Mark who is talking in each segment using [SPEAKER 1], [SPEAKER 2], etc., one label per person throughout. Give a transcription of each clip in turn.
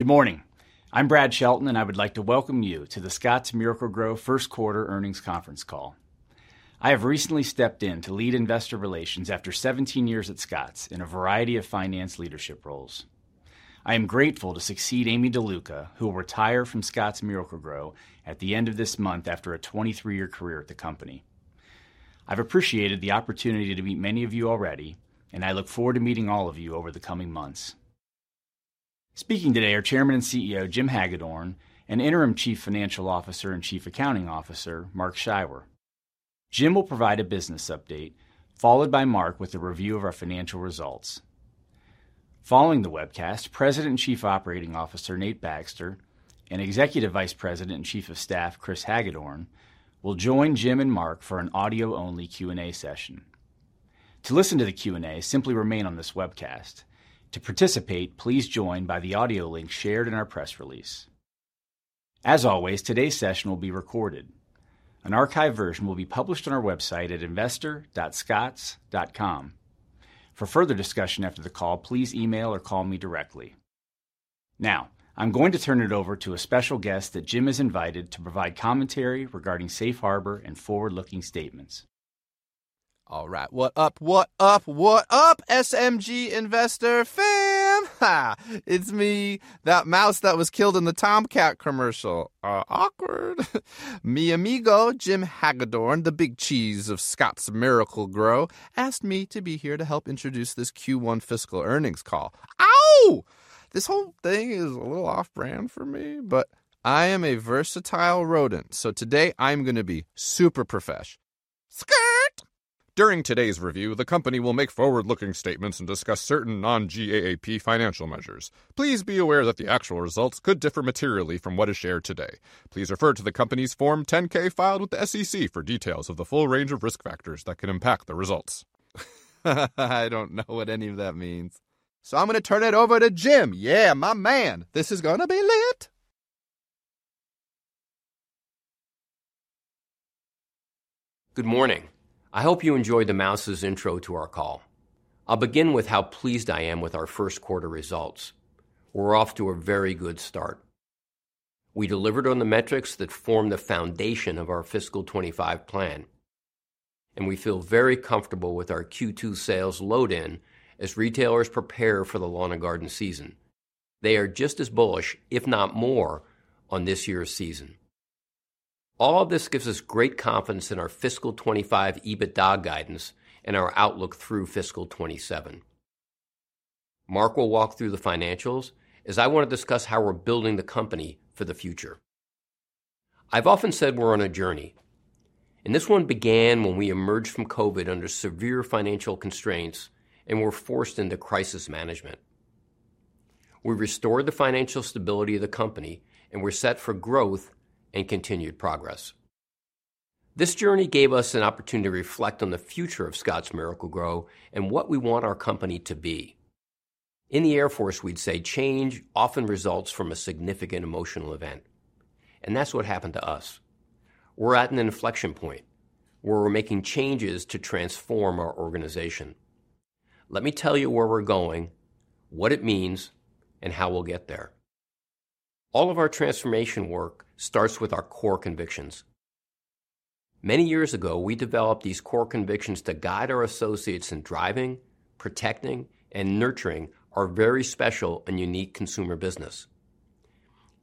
[SPEAKER 1] Good morning. I'm Brad Shelton, and I would like to welcome you to the Scotts Miracle-Gro first quarter earnings conference call. I have recently stepped in to lead investor relations after 17 years at Scotts in a variety of finance leadership roles. I am grateful to succeed Aimee DeLuca, who will retire from Scotts Miracle-Gro at the end of this month after a 23-year career at the company. I've appreciated the opportunity to meet many of you already, and I look forward to meeting all of you over the coming months. Speaking today are Chairman and CEO Jim Hagedorn and Interim Chief Financial Officer and Chief Accounting Officer Mark Scheiwer. Jim will provide a business update, followed by Mark with a review of our financial results. Following the webcast, President and Chief Operating Officer Nate Baxter and Executive Vice President and Chief of Staff Chris Hagedorn will join Jim and Mark for an audio-only Q&A session. To listen to the Q&A, simply remain on this webcast. To participate, please join by the audio link shared in our press release. As always, today's session will be recorded. An archived version will be published on our website at investor.scotts.com. For further discussion after the call, please email or call me directly. Now, I'm going to turn it over to a special guest that Jim has invited to provide commentary regarding safe harbor and forward-looking statements. All right, what up, what up, what up, SMG investor fam? Ha! It's me, that mouse that was killed in the Tomcat commercial. Awkward. Mi amigo, Jim Hagedorn, the big cheese of Scotts Miracle-Gro, asked me to be here to help introduce this Q1 fiscal earnings call. Ow! This whole thing is a little off-brand for me, but I am a versatile rodent, so today I'm going to be super professional. Skirt! During today's review, the company will make forward-looking statements and discuss certain non-GAAP financial measures. Please be aware that the actual results could differ materially from what is shared today. Please refer to the company's Form 10-K filed with the SEC for details of the full range of risk factors that can impact the results. I don't know what any of that means. So I'm going to turn it over to Jim. Yeah, my man. This is going to be lit.
[SPEAKER 2] Good morning. I hope you enjoyed the mouse's intro to our call. I'll begin with how pleased I am with our first quarter results. We're off to a very good start. We delivered on the metrics that form the foundation of our fiscal 2025 plan, and we feel very comfortable with our Q2 sales load-in as retailers prepare for the lawn and garden season. They are just as bullish, if not more, on this year's season. All of this gives us great confidence in our fiscal 2025 EBITDA guidance and our outlook through fiscal 2027. Mark will walk through the financials as I want to discuss how we're building the company for the future. I've often said we're on a journey, and this one began when we emerged from COVID under severe financial constraints and were forced into crisis management. We restored the financial stability of the company, and we're set for growth and continued progress. This journey gave us an opportunity to reflect on the future of Scotts Miracle-Gro and what we want our company to be. In the Air Force, we'd say change often results from a significant emotional event, and that's what happened to us. We're at an inflection point where we're making changes to transform our organization. Let me tell you where we're going, what it means, and how we'll get there. All of our transformation work starts with our core convictions. Many years ago, we developed these core convictions to guide our associates in driving, protecting, and nurturing our very special and unique consumer business.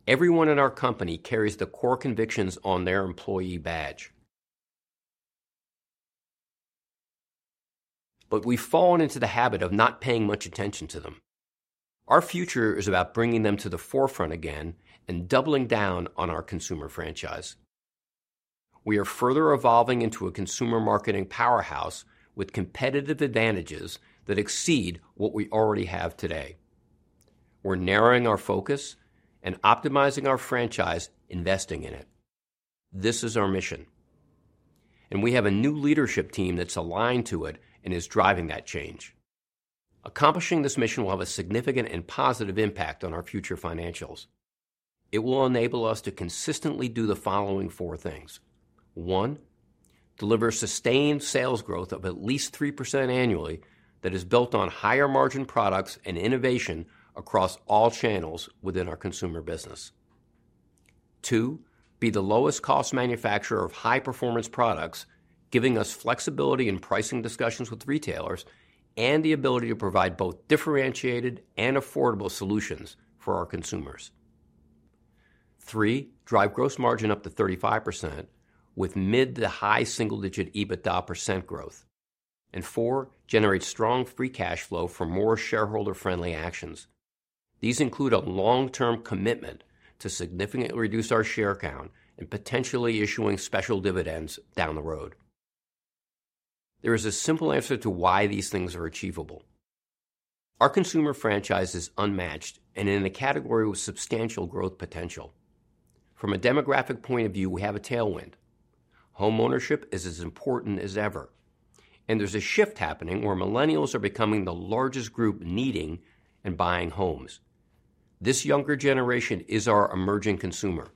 [SPEAKER 2] Everyone in our company carries the core convictions on their employee badge, but we've fallen into the habit of not paying much attention to them. Our future is about bringing them to the forefront again and doubling down on our consumer franchise. We are further evolving into a consumer marketing powerhouse with competitive advantages that exceed what we already have today. We're narrowing our focus and optimizing our franchise, investing in it. This is our mission, and we have a new leadership team that's aligned to it and is driving that change. Accomplishing this mission will have a significant and positive impact on our future financials. It will enable us to consistently do the following four things. One, deliver sustained sales growth of at least 3% annually that is built on higher margin products and innovation across all channels within our consumer business. Two, be the lowest cost manufacturer of high-performance products, giving us flexibility in pricing discussions with retailers and the ability to provide both differentiated and affordable solutions for our consumers. Three, drive gross margin up to 35% with mid- to high-single-digit EBITDA percent growth. And four, generate strong free cash flow for more shareholder-friendly actions. These include a long-term commitment to significantly reduce our share count and potentially issuing special dividends down the road. There is a simple answer to why these things are achievable. Our consumer franchise is unmatched and in a category with substantial growth potential. From a demographic point of view, we have a tailwind. Homeownership is as important as ever, and there's a shift happening where Millennials are becoming the largest group needing and buying homes. This younger generation is our emerging consumer.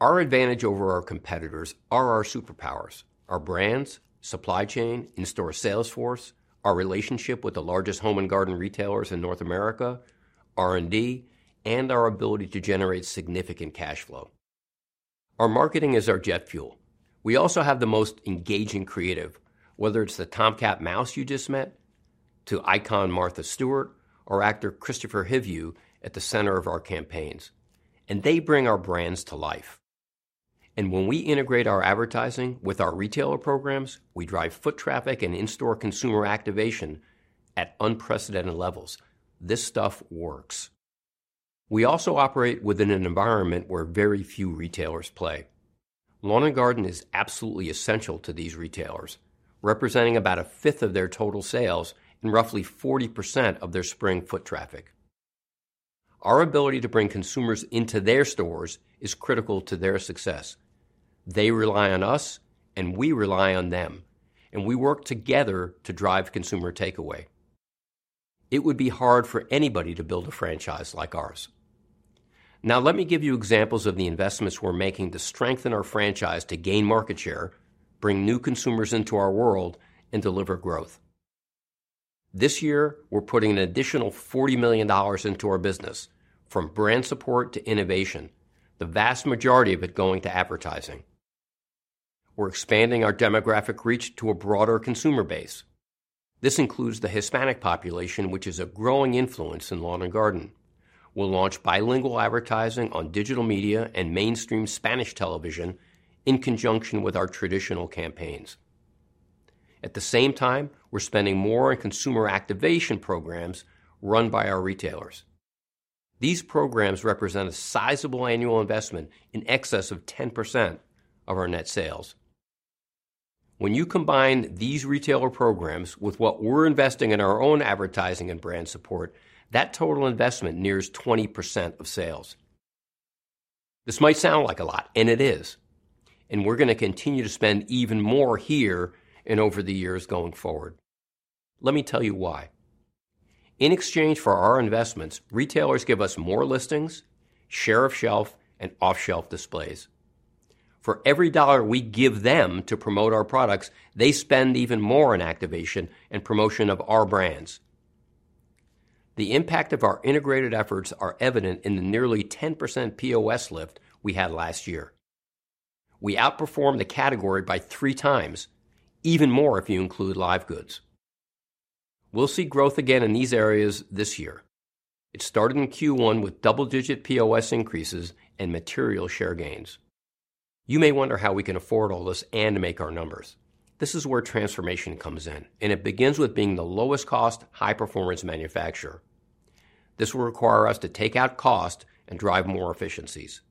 [SPEAKER 2] Our advantage over our competitors are our superpowers: our brands, supply chain, in-store sales force, our relationship with the largest home and garden retailers in North America, R&D, and our ability to generate significant cash flow. Our marketing is our jet fuel. We also have the most engaging creative, whether it's the Tomcat mouse you just met, to iconic Martha Stewart or actor Kristofer Hivju at the center of our campaigns, and they bring our brands to life, and when we integrate our advertising with our retailer programs, we drive foot traffic and in-store consumer activation at unprecedented levels. This stuff works. We also operate within an environment where very few retailers play. Lawn and garden is absolutely essential to these retailers, representing about a fifth of their total sales and roughly 40% of their spring foot traffic. Our ability to bring consumers into their stores is critical to their success. They rely on us, and we rely on them, and we work together to drive consumer takeaway. It would be hard for anybody to build a franchise like ours. Now, let me give you examples of the investments we're making to strengthen our franchise to gain market share, bring new consumers into our world, and deliver growth. This year, we're putting an additional $40 million into our business, from brand support to innovation, the vast majority of it going to advertising. We're expanding our demographic reach to a broader consumer base. This includes the Hispanic population, which is a growing influence in lawn and garden. We'll launch bilingual advertising on digital media and mainstream Spanish television in conjunction with our traditional campaigns. At the same time, we're spending more on consumer activation programs run by our retailers. These programs represent a sizable annual investment in excess of 10% of our net sales. When you combine these retailer programs with what we're investing in our own advertising and brand support, that total investment nears 20% of sales. This might sound like a lot, and it is, and we're going to continue to spend even more here and over the years going forward. Let me tell you why. In exchange for our investments, retailers give us more listings, share of shelf, and off-shelf displays. For every dollar we give them to promote our products, they spend even more on activation and promotion of our brands. The impact of our integrated efforts is evident in the nearly 10% POS lift we had last year. We outperformed the category by three times, even more if you include live goods. We'll see growth again in these areas this year. It started in Q1 with double-digit POS increases and material share gains. You may wonder how we can afford all this and make our numbers. This is where transformation comes in, and it begins with being the lowest cost, high-performance manufacturer. This will require us to take out cost and drive more efficiencies.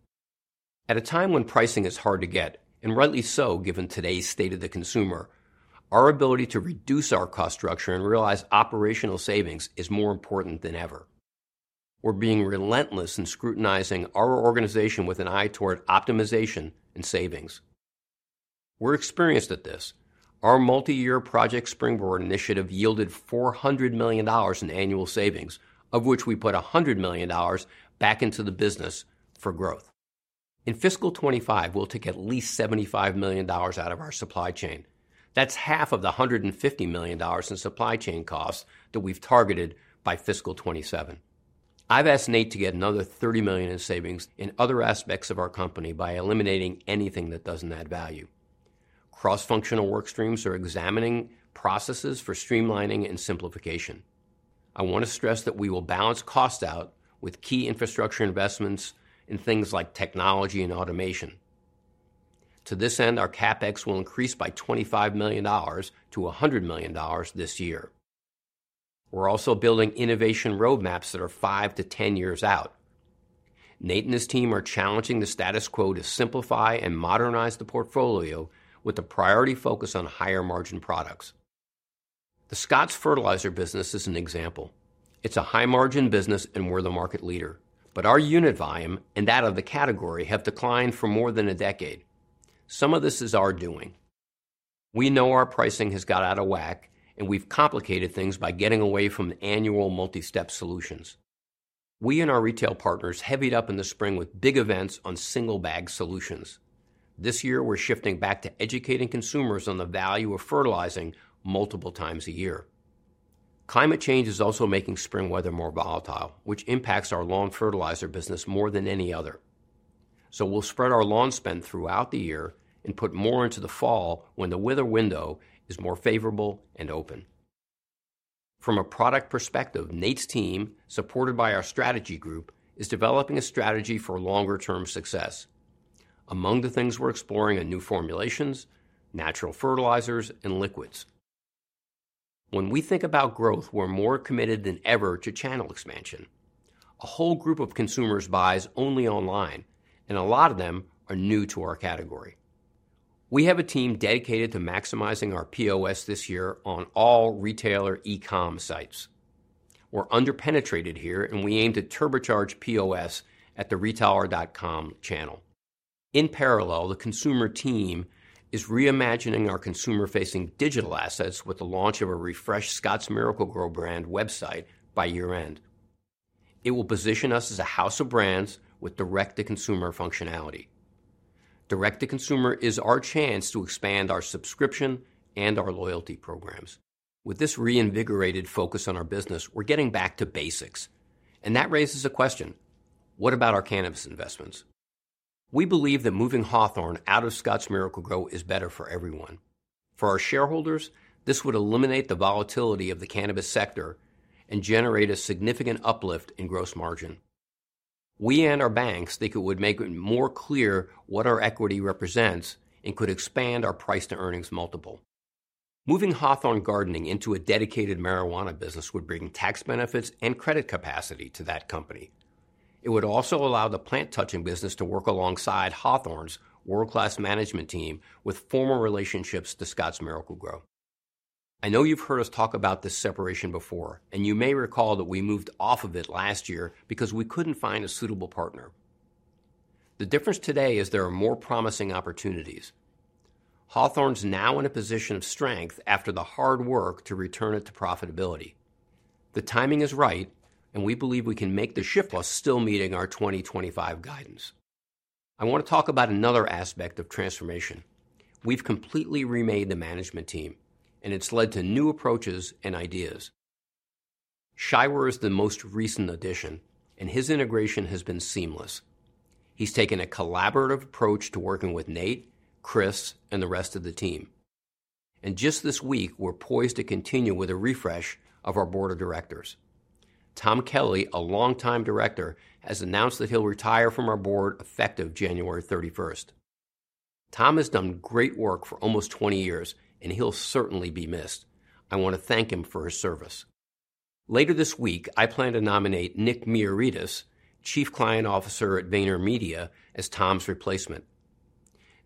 [SPEAKER 2] At a time when pricing is hard to get, and rightly so given today's state of the consumer, our ability to reduce our cost structure and realize operational savings is more important than ever. We're being relentless in scrutinizing our organization with an eye toward optimization and savings. We're experienced at this. Our multi-year project, Springboard Initiative, yielded $400 million in annual savings, of which we put $100 million back into the business for growth. In fiscal 2025, we'll take at least $75 million out of our supply chain. That's half of the $150 million in supply chain costs that we've targeted by fiscal 2027. I've asked Nate to get another $30 million in savings in other aspects of our company by eliminating anything that doesn't add value. Cross-functional work streams are examining processes for streamlining and simplification. I want to stress that we will balance costs out with key infrastructure investments in things like technology and automation. To this end, our CapEx will increase by $25 million to $100 million this year. We're also building innovation roadmaps that are five to 10 years out. Nate and his team are challenging the status quo to simplify and modernize the portfolio with a priority focus on higher margin products. The Scotts fertilizer business is an example. It's a high-margin business and we're the market leader, but our unit volume and that of the category have declined for more than a decade. Some of this is our doing. We know our pricing has got out of whack, and we've complicated things by getting away from annual multi-step solutions. We and our retail partners heavied up in the spring with big events on single-bag solutions. This year, we're shifting back to educating consumers on the value of fertilizing multiple times a year. Climate change is also making spring weather more volatile, which impacts our lawn fertilizer business more than any other. So we'll spread our lawn spend throughout the year and put more into the fall when the weather window is more favorable and open. From a product perspective, Nate's team, supported by our strategy group, is developing a strategy for longer-term success. Among the things we're exploring are new formulations, natural fertilizers, and liquids. When we think about growth, we're more committed than ever to channel expansion. A whole group of consumers buys only online, and a lot of them are new to our category. We have a team dedicated to maximizing our POS this year on all retailer e-com sites. We're underpenetrated here, and we aim to turbocharge POS at the retailer.com channel. In parallel, the consumer team is reimagining our consumer-facing digital assets with the launch of a refreshed Scotts Miracle-Gro brand website by year-end. It will position us as a house of brands with direct-to-consumer functionality. Direct-to-consumer is our chance to expand our subscription and our loyalty programs. With this reinvigorated focus on our business, we're getting back to basics, and that raises a question: what about our cannabis investments? We believe that moving Hawthorne out of Scotts Miracle-Gro is better for everyone. For our shareholders, this would eliminate the volatility of the cannabis sector and generate a significant uplift in gross margin. We and our banks think it would make it more clear what our equity represents and could expand our price-to-earnings multiple. Moving Hawthorne Gardening into a dedicated marijuana business would bring tax benefits and credit capacity to that company. It would also allow the plant-touching business to work alongside Hawthorne's world-class management team with former relationships to Scotts Miracle-Gro. I know you've heard us talk about this separation before, and you may recall that we moved off of it last year because we couldn't find a suitable partner. The difference today is there are more promising opportunities. Hawthorne's now in a position of strength after the hard work to return it to profitability. The timing is right, and we believe we can make the shift while still meeting our 2025 guidance. I want to talk about another aspect of transformation. We've completely remade the management team, and it's led to new approaches and ideas. Scheiwer is the most recent addition, and his integration has been seamless. He's taken a collaborative approach to working with Nate, Chris, and the rest of the team. Just this week, we're poised to continue with a refresh of our board of directors. Tom Kelly, a longtime director, has announced that he'll retire from our board effective January 31st. Tom has done great work for almost 20 years, and he'll certainly be missed. I want to thank him for his service. Later this week, I plan to nominate Nick Miaritis, Chief Client Officer at VaynerMedia, as Tom's replacement.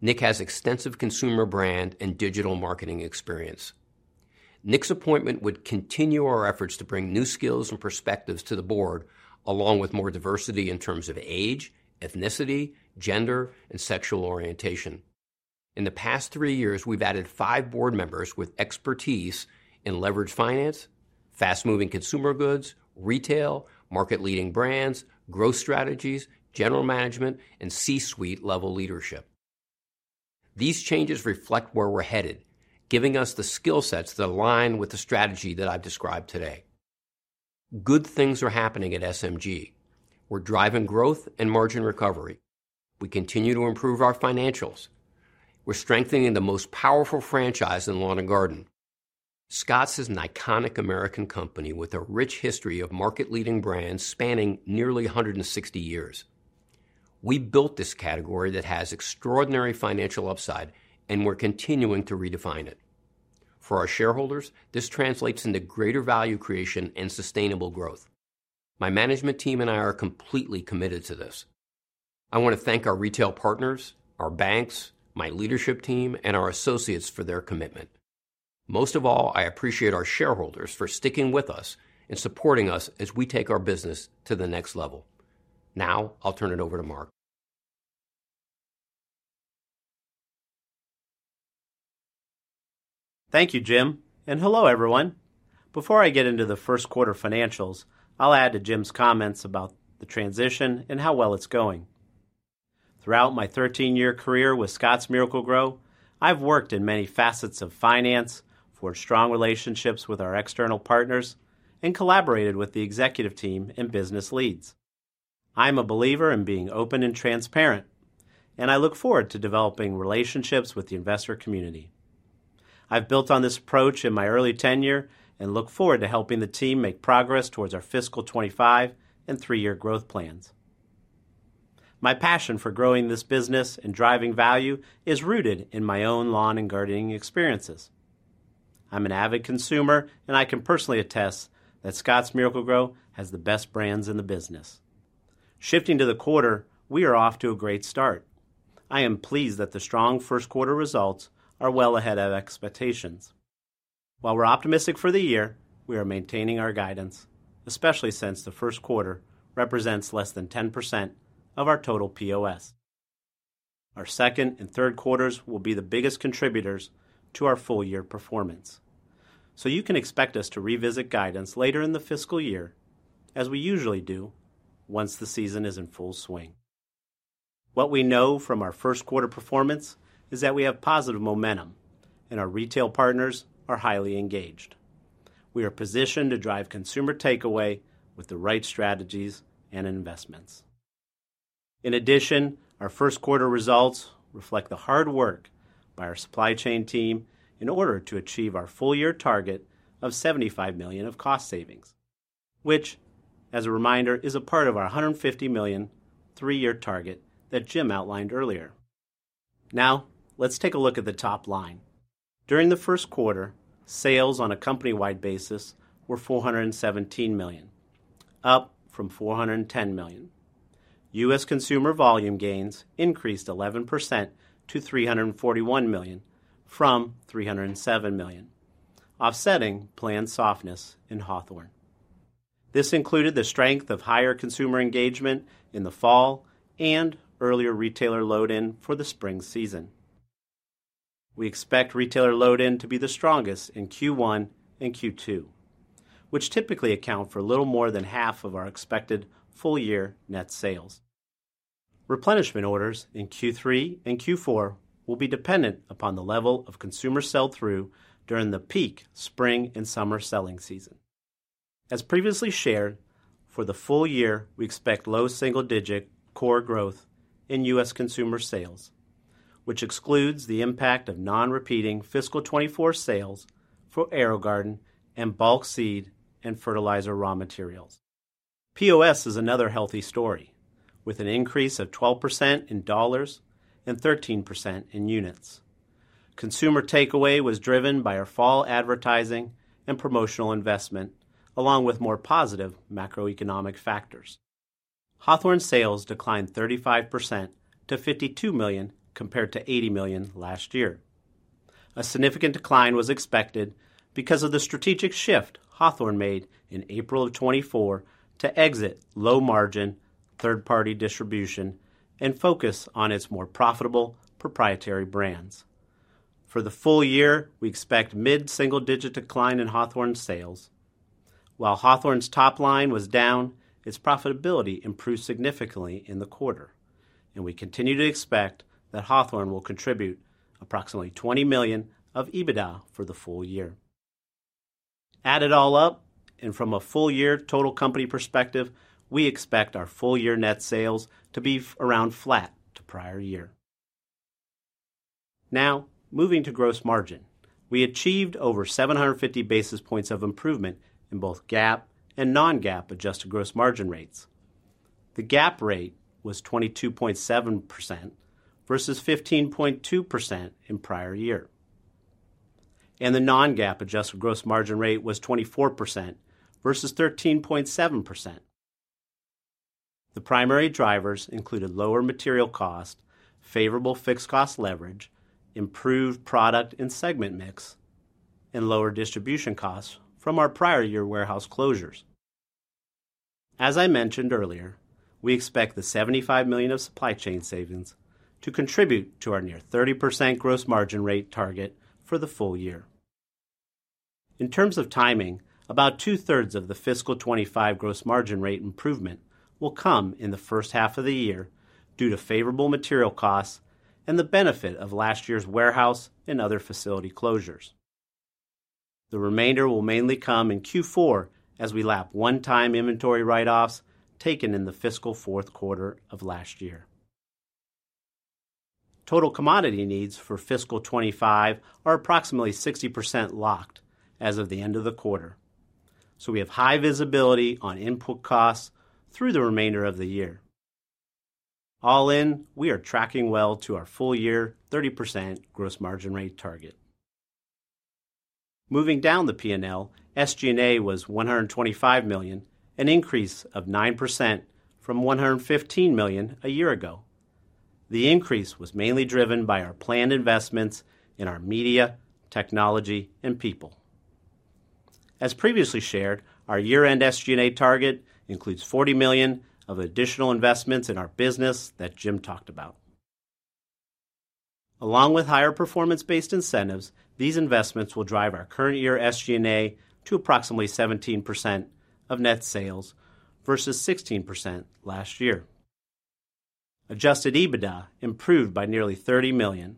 [SPEAKER 2] Nick has extensive consumer brand and digital marketing experience. Nick's appointment would continue our efforts to bring new skills and perspectives to the board, along with more diversity in terms of age, ethnicity, gender, and sexual orientation. In the past three years, we've added five board members with expertise in leveraged finance, fast-moving consumer goods, retail, market-leading brands, growth strategies, general management, and C-suite-level leadership. These changes reflect where we're headed, giving us the skill sets that align with the strategy that I've described today. Good things are happening at SMG. We're driving growth and margin recovery. We continue to improve our financials. We're strengthening the most powerful franchise in lawn and garden. Scotts is an iconic American company with a rich history of market-leading brands spanning nearly 160 years. We built this category that has extraordinary financial upside, and we're continuing to redefine it. For our shareholders, this translates into greater value creation and sustainable growth. My management team and I are completely committed to this. I want to thank our retail partners, our banks, my leadership team, and our associates for their commitment. Most of all, I appreciate our shareholders for sticking with us and supporting us as we take our business to the next level. Now, I'll turn it over to Mark.
[SPEAKER 3] Thank you, Jim. And hello, everyone. Before I get into the first quarter financials, I'll add to Jim's comments about the transition and how well it's going. Throughout my 13-year career with Scotts Miracle-Gro, I've worked in many facets of finance, forged strong relationships with our external partners, and collaborated with the executive team and business leads. I'm a believer in being open and transparent, and I look forward to developing relationships with the investor community. I've built on this approach in my early tenure and look forward to helping the team make progress towards our fiscal 2025 and three-year growth plans. My passion for growing this business and driving value is rooted in my own lawn and gardening experiences. I'm an avid consumer, and I can personally attest that Scotts Miracle-Gro has the best brands in the business. Shifting to the quarter, we are off to a great start. I am pleased that the strong first quarter results are well ahead of expectations. While we're optimistic for the year, we are maintaining our guidance, especially since the first quarter represents less than 10% of our total POS. Our second and third quarters will be the biggest contributors to our full-year performance, so you can expect us to revisit guidance later in the fiscal year, as we usually do once the season is in full swing. What we know from our first quarter performance is that we have positive momentum, and our retail partners are highly engaged. We are positioned to drive consumer takeaway with the right strategies and investments. In addition, our first quarter results reflect the hard work by our supply chain team in order to achieve our full-year target of $75 million of cost savings, which, as a reminder, is a part of our $150 million three-year target that Jim outlined earlier. Now, let's take a look at the top line. During the first quarter, sales on a company-wide basis were $417 million, up from $410 million. U.S. consumer volume gains increased 11% to $341 million from $307 million, offsetting planned softness in Hawthorne. This included the strength of higher consumer engagement in the fall and earlier retailer load-in for the spring season. We expect retailer load-in to be the strongest in Q1 and Q2, which typically account for a little more than half of our expected full-year net sales. Replenishment orders in Q3 and Q4 will be dependent upon the level of consumer sell-through during the peak spring and summer selling season. As previously shared, for the full year, we expect low single-digit core growth in U.S. consumer sales, which excludes the impact of non-repeating fiscal 2024 sales for AeroGarden and bulk seed and fertilizer raw materials. POS is another healthy story, with an increase of 12% in dollars and 13% in units. Consumer takeaway was driven by our fall advertising and promotional investment, along with more positive macroeconomic factors. Hawthorne sales declined 35% to $52 million compared to $80 million last year. A significant decline was expected because of the strategic shift Hawthorne made in April of 2024 to exit low-margin, third-party distribution, and focus on its more profitable proprietary brands. For the full year, we expect mid-single-digit decline in Hawthorne sales. While Hawthorne's top line was down, its profitability improved significantly in the quarter, and we continue to expect that Hawthorne will contribute approximately $20 million of EBITDA for the full year. Add it all up, and from a full-year total company perspective, we expect our full-year net sales to be around flat to prior year. Now, moving to gross margin, we achieved over 750 basis points of improvement in both GAAP and non-GAAP adjusted gross margin rates. The GAAP rate was 22.7% versus 15.2% in prior year, and the non-GAAP adjusted gross margin rate was 24% versus 13.7%. The primary drivers included lower material cost, favorable fixed cost leverage, improved product and segment mix, and lower distribution costs from our prior-year warehouse closures. As I mentioned earlier, we expect the $75 million of supply chain savings to contribute to our near 30% gross margin rate target for the full year. In terms of timing, about two-thirds of the fiscal 2025 gross margin rate improvement will come in the first half of the year due to favorable material costs and the benefit of last year's warehouse and other facility closures. The remainder will mainly come in Q4 as we lap one-time inventory write-offs taken in the fiscal fourth quarter of last year. Total commodity needs for fiscal 2025 are approximately 60% locked as of the end of the quarter, so we have high visibility on input costs through the remainder of the year. All in, we are tracking well to our full-year 30% gross margin rate target. Moving down the P&L, SG&A was $125 million, an increase of 9% from $115 million a year ago. The increase was mainly driven by our planned investments in our media, technology, and people. As previously shared, our year-end SG&A target includes $40 million of additional investments in our business that Jim talked about. Along with higher performance-based incentives, these investments will drive our current-year SG&A to approximately 17% of net sales versus 16% last year. Adjusted EBITDA improved by nearly $30 million.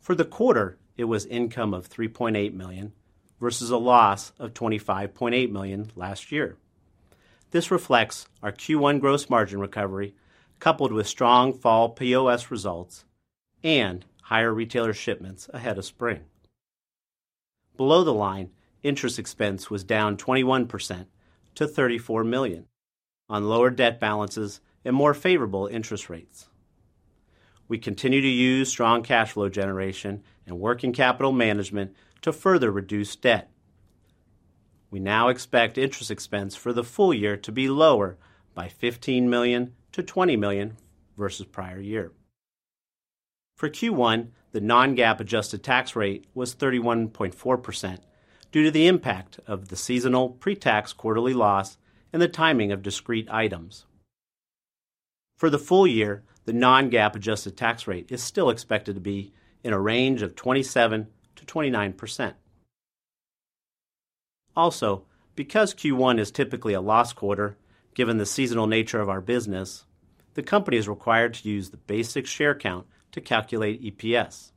[SPEAKER 3] For the quarter, it was income of $3.8 million versus a loss of $25.8 million last year. This reflects our Q1 gross margin recovery coupled with strong fall POS results and higher retailer shipments ahead of spring. Below the line, interest expense was down 21% to $34 million on lower debt balances and more favorable interest rates. We continue to use strong cash flow generation and working capital management to further reduce debt. We now expect interest expense for the full year to be lower by $15 million-$20 million versus prior year. For Q1, the non-GAAP adjusted tax rate was 31.4% due to the impact of the seasonal pre-tax quarterly loss and the timing of discrete items. For the full year, the non-GAAP adjusted tax rate is still expected to be in a range of 27%-29%. Also, because Q1 is typically a loss quarter, given the seasonal nature of our business, the company is required to use the basic share count to calculate EPS.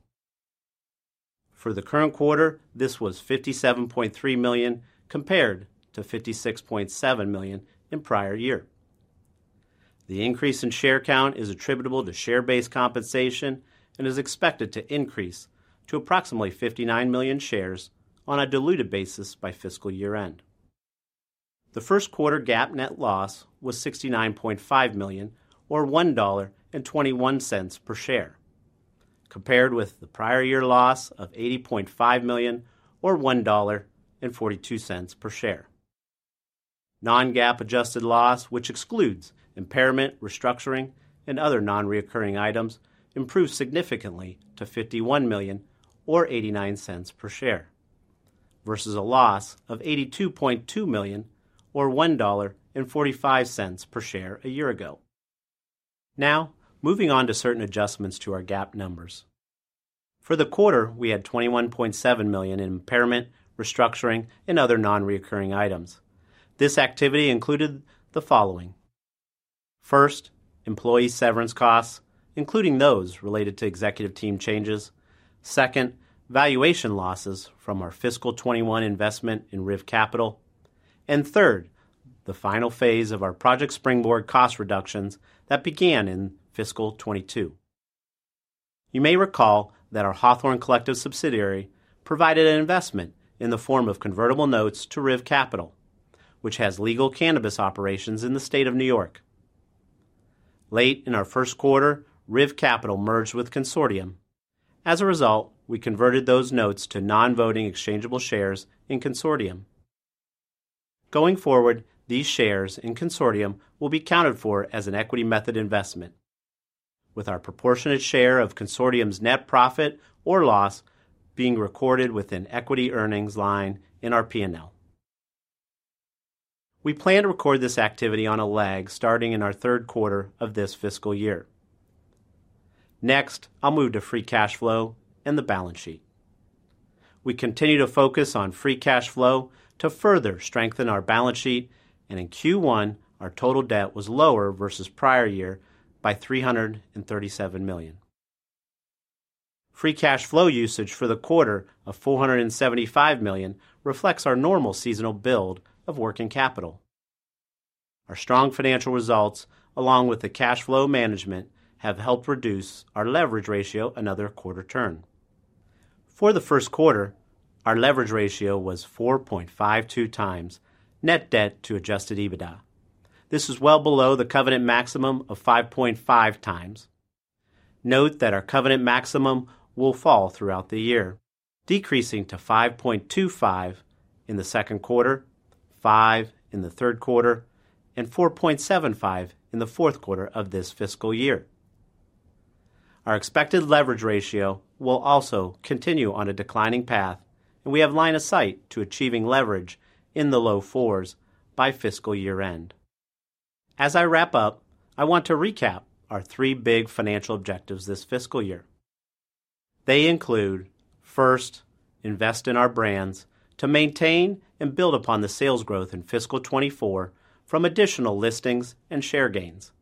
[SPEAKER 3] For the current quarter, this was 57.3 million compared to 56.7 million in prior year. The increase in share count is attributable to share-based compensation and is expected to increase to approximately 59 million shares on a diluted basis by fiscal year-end. The first quarter GAAP net loss was $69.5 million, or $1.21 per share, compared with the prior-year loss of $80.5 million, or $1.42 per share. Non-GAAP adjusted loss, which excludes impairment, restructuring, and other non-recurring items, improved significantly to $51 million, or $0.89 per share, versus a loss of $82.2 million, or $1.45 per share a year ago. Now, moving on to certain adjustments to our GAAP numbers. For the quarter, we had $21.7 million in impairment, restructuring, and other non-recurring items. This activity included the following: first, employee severance costs, including those related to executive team changes. Second, valuation losses from our fiscal 2021 investment in RIV Capital. And third, the final phase of our Project Springboard cost reductions that began in fiscal 2022. You may recall that our Hawthorne Collective subsidiary provided an investment in the form of convertible notes to RIV Capital, which has legal cannabis operations in the state of New York. Late in our first quarter, RIV Capital merged with Cansortium. As a result, we converted those notes to non-voting exchangeable shares in Cansortium. Going forward, these shares in Cansortium will be accounted for as an equity method investment, with our proportionate share of Cansortium's net profit or loss being recorded with an equity earnings line in our P&L. We plan to record this activity on a lag starting in our third quarter of this fiscal year. Next, I'll move to free cash flow and the balance sheet. We continue to focus on free cash flow to further strengthen our balance sheet, and in Q1, our total debt was lower versus prior year by $337 million. Free cash flow usage for the quarter of $475 million reflects our normal seasonal build of working capital. Our strong financial results, along with the cash flow management, have helped reduce our leverage ratio another quarter turn. For the first quarter, our leverage ratio was 4.52 times net debt to Adjusted EBITDA. This is well below the covenant maximum of 5.5 times. Note that our covenant maximum will fall throughout the year, decreasing to 5.25 in the second quarter, 5 in the third quarter, and 4.75 in the fourth quarter of this fiscal year. Our expected leverage ratio will also continue on a declining path, and we have line of sight to achieving leverage in the low fours by fiscal year-end. As I wrap up, I want to recap our three big financial objectives this fiscal year. They include: first, invest in our brands to maintain and build upon the sales growth in fiscal 2024 from additional listings and share gains,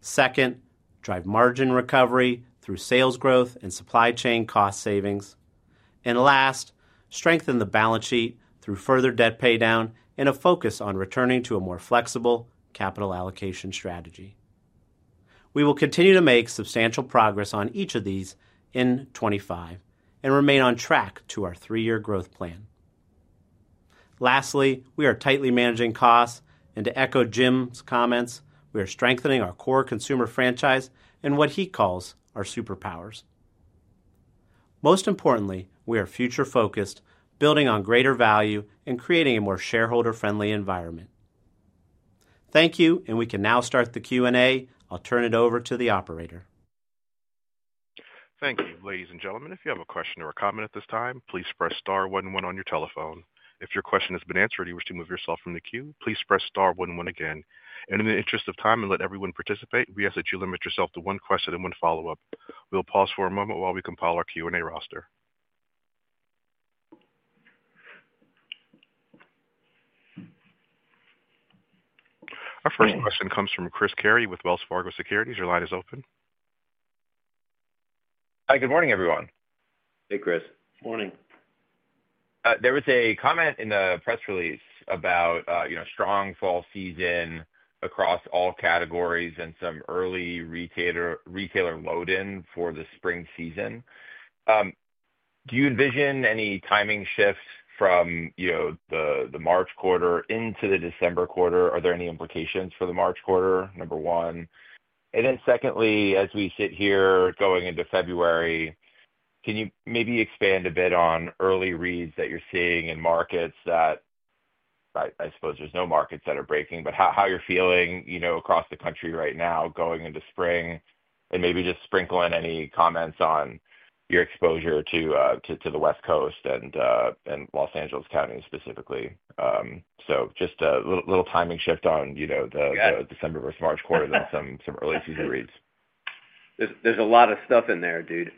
[SPEAKER 3] second, drive margin recovery through sales growth and supply chain cost savings, and last, strengthen the balance sheet through further debt paydown and a focus on returning to a more flexible capital allocation strategy. We will continue to make substantial progress on each of these in 2025 and remain on track to our three-year growth plan. Lastly, we are tightly managing costs, and to echo Jim's comments, we are strengthening our core consumer franchise and what he calls our superpowers. Most importantly, we are future-focused, building on greater value, and creating a more shareholder-friendly environment. Thank you, and we can now start the Q&A. I'll turn it over to the operator.
[SPEAKER 4] Thank you, ladies and gentlemen. If you have a question or a comment at this time, please press star one one on your telephone. If your question has been answered and you wish to move yourself from the queue, please press star one one again. And in the interest of time and to let everyone participate, we ask that you limit yourself to one question and one follow-up. We'll pause for a moment while we compile our Q&A roster. Our first question comes from Chris Carey with Wells Fargo Securities. Your line is open.
[SPEAKER 5] Hi, good morning, everyone.
[SPEAKER 2] Hey, Chris.
[SPEAKER 3] Morning.
[SPEAKER 5] There was a comment in the press release about strong fall season across all categories and some early retailer load-in for the spring season. Do you envision any timing shifts from the March quarter into the December quarter? Are there any implications for the March quarter, number one? And then secondly, as we sit here going into February, can you maybe expand a bit on early reads that you're seeing in markets that I suppose there's no markets that are breaking, but how you're feeling across the country right now going into spring? And maybe just sprinkle in any comments on your exposure to the West Coast and Los Angeles County specifically. So just a little timing shift on the December versus March quarter and some early season reads.
[SPEAKER 2] There's a lot of stuff in there, dude.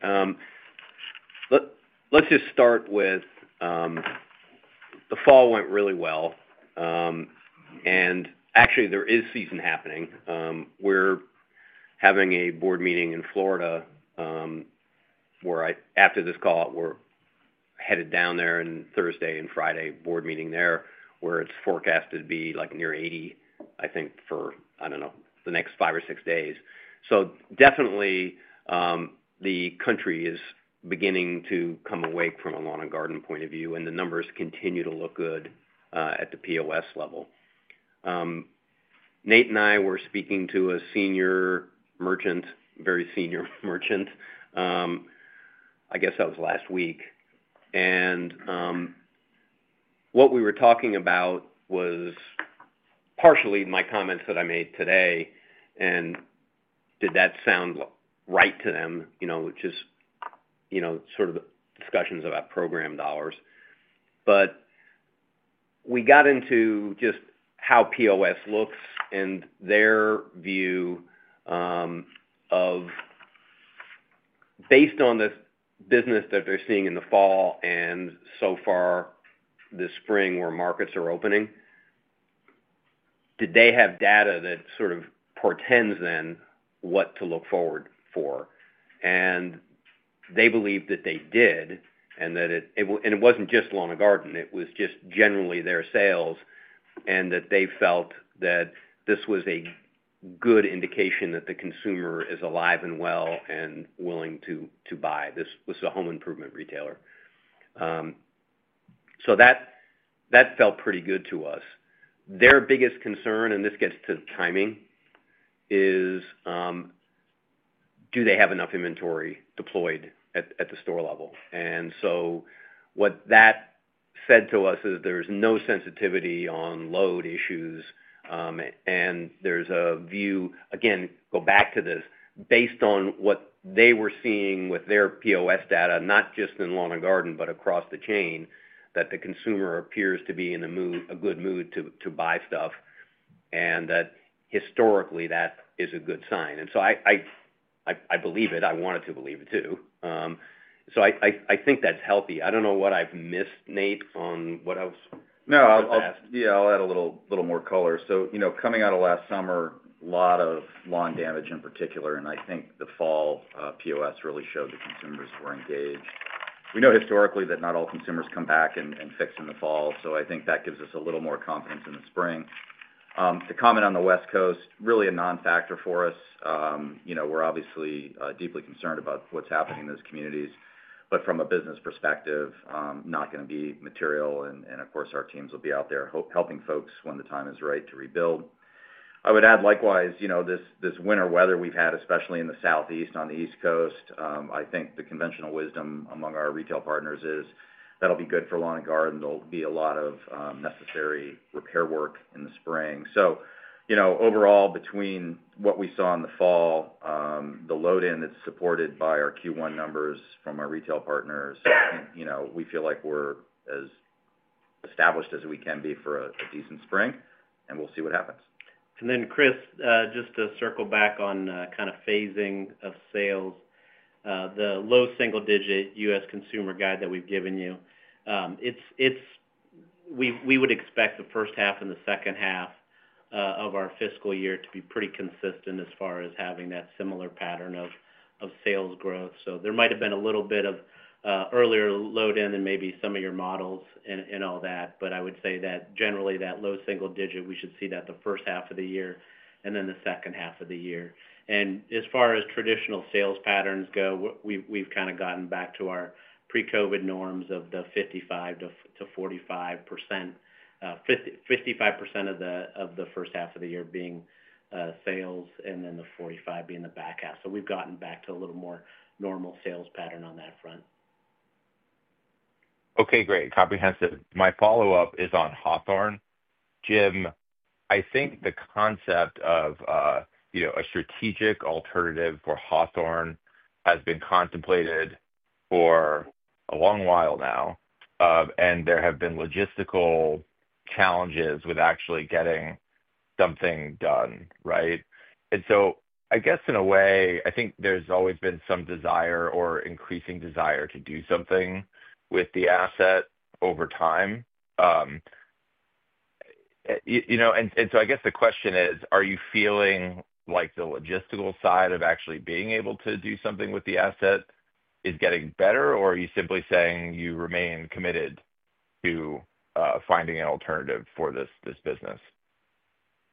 [SPEAKER 2] Let's just start with the fall went really well. And actually, there is season happening. We're having a board meeting in Florida where after this call, we're headed down there on Thursday and Friday, board meeting there, where it's forecast to be like near 80 degrees Fahrenheit, I think, for, I don't know, the next five or six days. So definitely, the country is beginning to come awake from a lawn and garden point of view, and the numbers continue to look good at the POS level. Nate and I were speaking to a senior merchant, very senior merchant. I guess that was last week. And what we were talking about was partially my comments that I made today, and did that sound right to them, which is sort of the discussions about program dollars. But we got into just how POS looks and their view of, based on the business that they're seeing in the fall and so far this spring where markets are opening, did they have data that sort of portends then what to look forward for? And they believe that they did, and it wasn't just lawn and garden. It was just generally their sales and that they felt that this was a good indication that the consumer is alive and well and willing to buy. This was a home improvement retailer. So that felt pretty good to us. Their biggest concern, and this gets to timing, is do they have enough inventory deployed at the store level? And so what that said to us is there's no sensitivity on load issues, and there's a view, again, go back to this, based on what they were seeing with their POS data, not just in lawn and garden, but across the chain, that the consumer appears to be in a good mood to buy stuff and that historically that is a good sign. And so I believe it. I wanted to believe it too. So I think that's healthy. I don't know what I've missed, Nate, on what I was asked.
[SPEAKER 6] No, I'll add a little more color, so coming out of last summer, a lot of lawn damage in particular, and I think the fall POS really showed the consumers were engaged. We know historically that not all consumers come back and fix in the fall, so I think that gives us a little more confidence in the spring. The comment on the West Coast, really a non-factor for us. We're obviously deeply concerned about what's happening in those communities, but from a business perspective, not going to be material, and of course, our teams will be out there helping folks when the time is right to rebuild. I would add likewise, this winter weather we've had, especially in the Southeast on the East Coast, I think the conventional wisdom among our retail partners is that'll be good for lawn and garden. There'll be a lot of necessary repair work in the spring. So overall, between what we saw in the fall, the load-in that's supported by our Q1 numbers from our retail partners, we feel like we're as established as we can be for a decent spring, and we'll see what happens.
[SPEAKER 3] And then, Chris, just to circle back on kind of phasing of sales, the low single-digit U.S. consumer guide that we've given you, we would expect the first half and the second half of our fiscal year to be pretty consistent as far as having that similar pattern of sales growth. So there might have been a little bit of earlier load-in in maybe some of your models and all that, but I would say that generally that low single digit we should see that the first half of the year and then the second half of the year. And as far as traditional sales patterns go, we've kind of gotten back to our pre-COVID norms of the 55%-45%, 55% of the first half of the year being sales and then the 45% being the back half. So we've gotten back to a little more normal sales pattern on that front.
[SPEAKER 5] Okay, great. Comprehensive. My follow-up is on Hawthorne. Jim, I think the concept of a strategic alternative for Hawthorne has been contemplated for a long while now, and there have been logistical challenges with actually getting something done, right? And so I guess in a way, I think there's always been some desire or increasing desire to do something with the asset over time. And so I guess the question is, are you feeling like the logistical side of actually being able to do something with the asset is getting better, or are you simply saying you remain committed to finding an alternative for this business?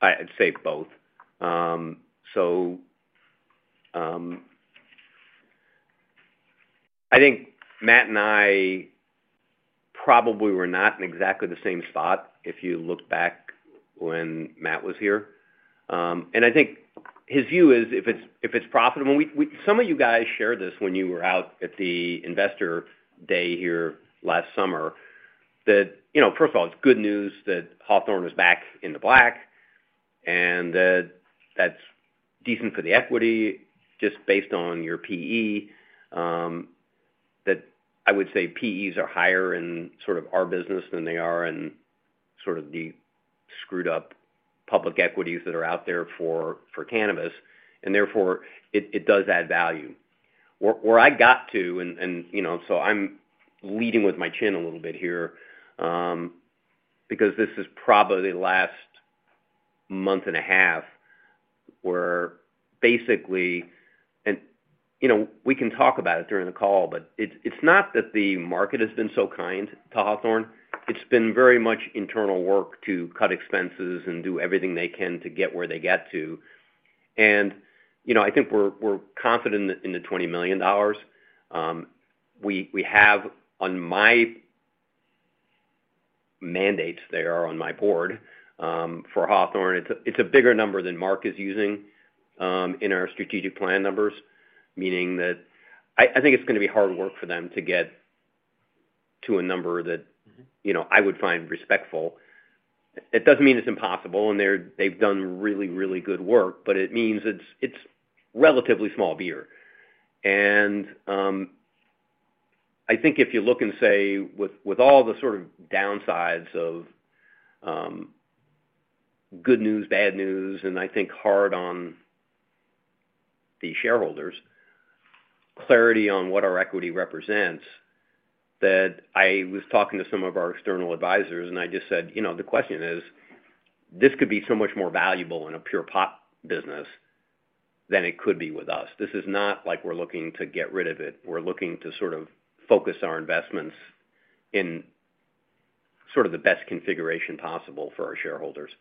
[SPEAKER 2] I'd say both. So I think Matt and I probably were not in exactly the same spot if you look back when Matt was here. And I think his view is if it's profitable, and some of you guys shared this when you were out at the investor day here last summer, that first of all, it's good news that Hawthorne is back in the black and that that's decent for the equity just based on your PE. I would say PEs are higher in sort of our business than they are in sort of the screwed-up public equities that are out there for cannabis, and therefore, it does add value. Where I got to, and so I'm leading with my chin a little bit here because this is probably the last month and a half where basically, and we can talk about it during the call, but it's not that the market has been so kind to Hawthorne. It's been very much internal work to cut expenses and do everything they can to get where they get to. And I think we're confident in the $20 million. We have, on my mandates, they are on my board for Hawthorne. It's a bigger number than Mark is using in our strategic plan numbers, meaning that I think it's going to be hard work for them to get to a number that I would find respectful. It doesn't mean it's impossible, and they've done really, really good work, but it means it's relatively small beer. And I think if you look and say, with all the sort of downsides of good news, bad news, and I think hard on the shareholders, clarity on what our equity represents, that I was talking to some of our external advisors, and I just said, "The question is, this could be so much more valuable in a pure pot business than it could be with us. This is not like we're looking to get rid of it. We're looking to sort of focus our investments in sort of the best configuration possible for our shareholders."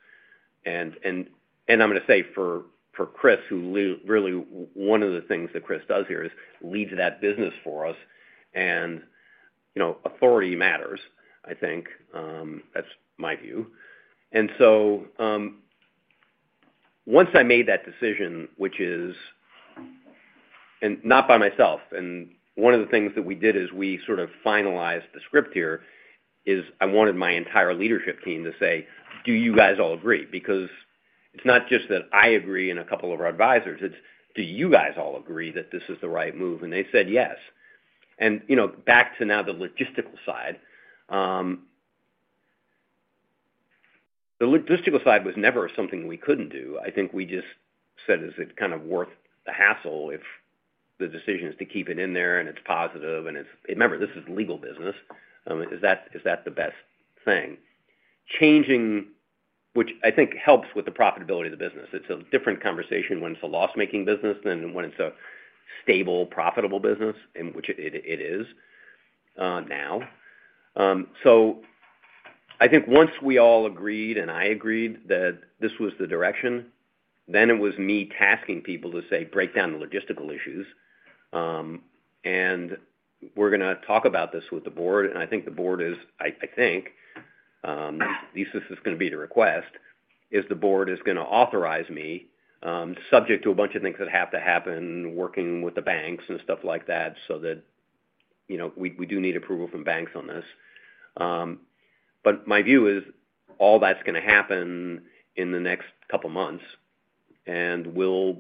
[SPEAKER 2] And I'm going to say for Chris, who, really, one of the things that Chris does here is leads that business for us, and authority matters, I think. That's my view. And so once I made that decision, which is not by myself, and one of the things that we did as we sort of finalized the script here is I wanted my entire leadership team to say, "Do you guys all agree?" Because it's not just that I agree and a couple of our advisors, it's, "Do you guys all agree that this is the right move?" And they said, "Yes." And back to now the logistical side, the logistical side was never something we couldn't do. I think we just said, "Is it kind of worth the hassle if the decision is to keep it in there and it's positive?" And remember, this is legal business. Is that the best thing? Changing, which I think helps with the profitability of the business. It's a different conversation when it's a loss-making business than when it's a stable, profitable business, which it is now. So I think once we all agreed and I agreed that this was the direction, then it was me tasking people to say, "Break down the logistical issues, and we're going to talk about this with the board." And I think the board is. I think, at least this is going to be the request, is the board is going to authorize me, subject to a bunch of things that have to happen, working with the banks and stuff like that, so that we do need approval from banks on this. But my view is all that's going to happen in the next couple of months, and we'll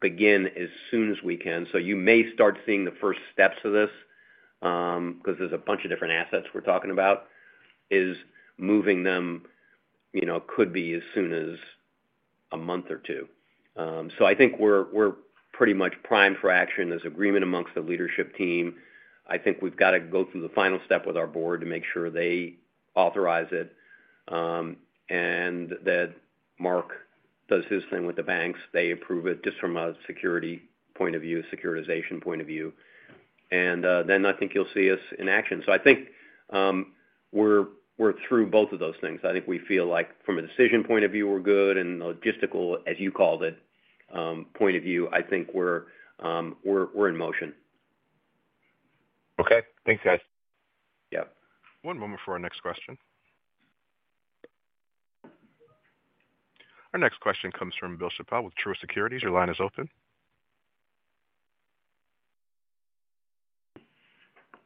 [SPEAKER 2] begin as soon as we can. So you may start seeing the first steps of this because there's a bunch of different assets we're talking about, is moving them could be as soon as a month or two. So I think we're pretty much primed for action. There's agreement amongst the leadership team. I think we've got to go through the final step with our board to make sure they authorize it and that Mark does his thing with the banks. They approve it just from a security point of view, securitization point of view. And then I think you'll see us in action. So I think we're through both of those things. I think we feel like from a decision point of view, we're good, and logistical, as you called it, point of view, I think we're in motion.
[SPEAKER 5] Okay. Thanks, guys.
[SPEAKER 2] Yep.
[SPEAKER 4] One moment for our next question. Our next question comes from Bill Chappell with Truist Securities. Your line is open.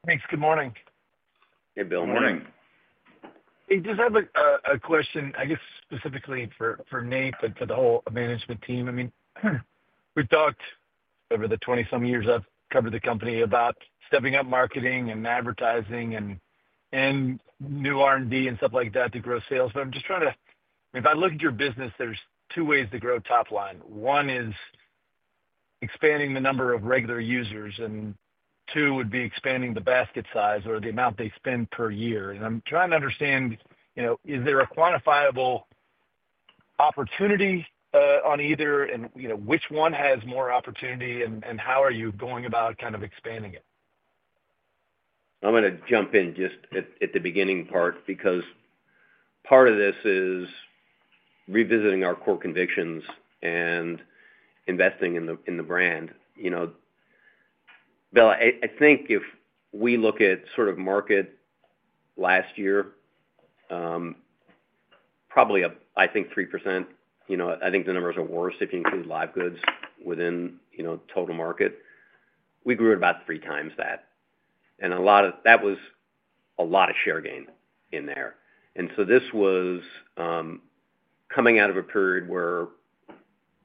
[SPEAKER 7] Thanks. Good morning.
[SPEAKER 2] Hey, Bill. Morning.
[SPEAKER 7] Hey, just have a question, I guess specifically for Nate and for the whole management team. I mean, we've talked over the 20-some years I've covered the company about stepping up marketing and advertising and new R&D and stuff like that to grow sales. But I'm just trying to, if I look at your business, there's two ways to grow top line. One is expanding the number of regular users, and two would be expanding the basket size or the amount they spend per year. And I'm trying to understand, is there a quantifiable opportunity on either, and which one has more opportunity, and how are you going about kind of expanding it?
[SPEAKER 2] I'm going to jump in just at the beginning part because part of this is revisiting our core convictions and investing in the brand. Bill, I think if we look at sort of market last year, probably I think 3%. I think the numbers are worse if you include live goods within total market. We grew at about three times that. And a lot of that was a lot of share gain in there. And so this was coming out of a period where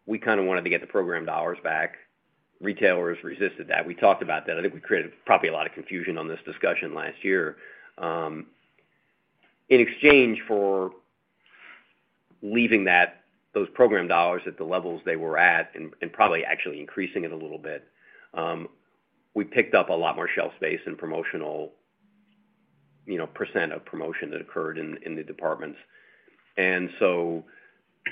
[SPEAKER 2] we kind of wanted to get the program dollars back. Retailers resisted that. We talked about that. I think we created probably a lot of confusion on this discussion last year. In exchange for leaving those program dollars at the levels they were at and probably actually increasing it a little bit, we picked up a lot more shelf space and promotional % of promotion that occurred in the departments. And so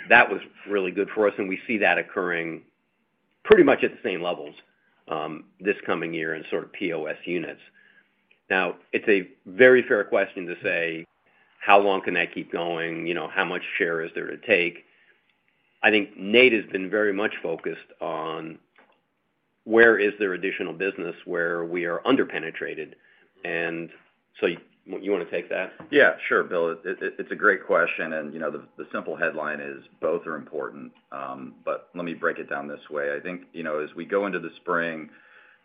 [SPEAKER 2] that was really good for us, and we see that occurring pretty much at the same levels this coming year in sort of POS units. Now, it's a very fair question to say, "How long can that keep going? How much share is there to take?" I think Nate has been very much focused on where is there additional business where we are underpenetrated. And so you want to take that?
[SPEAKER 6] Yeah. Sure, Bill. It's a great question, and the simple headline is both are important, but let me break it down this way. I think as we go into the spring,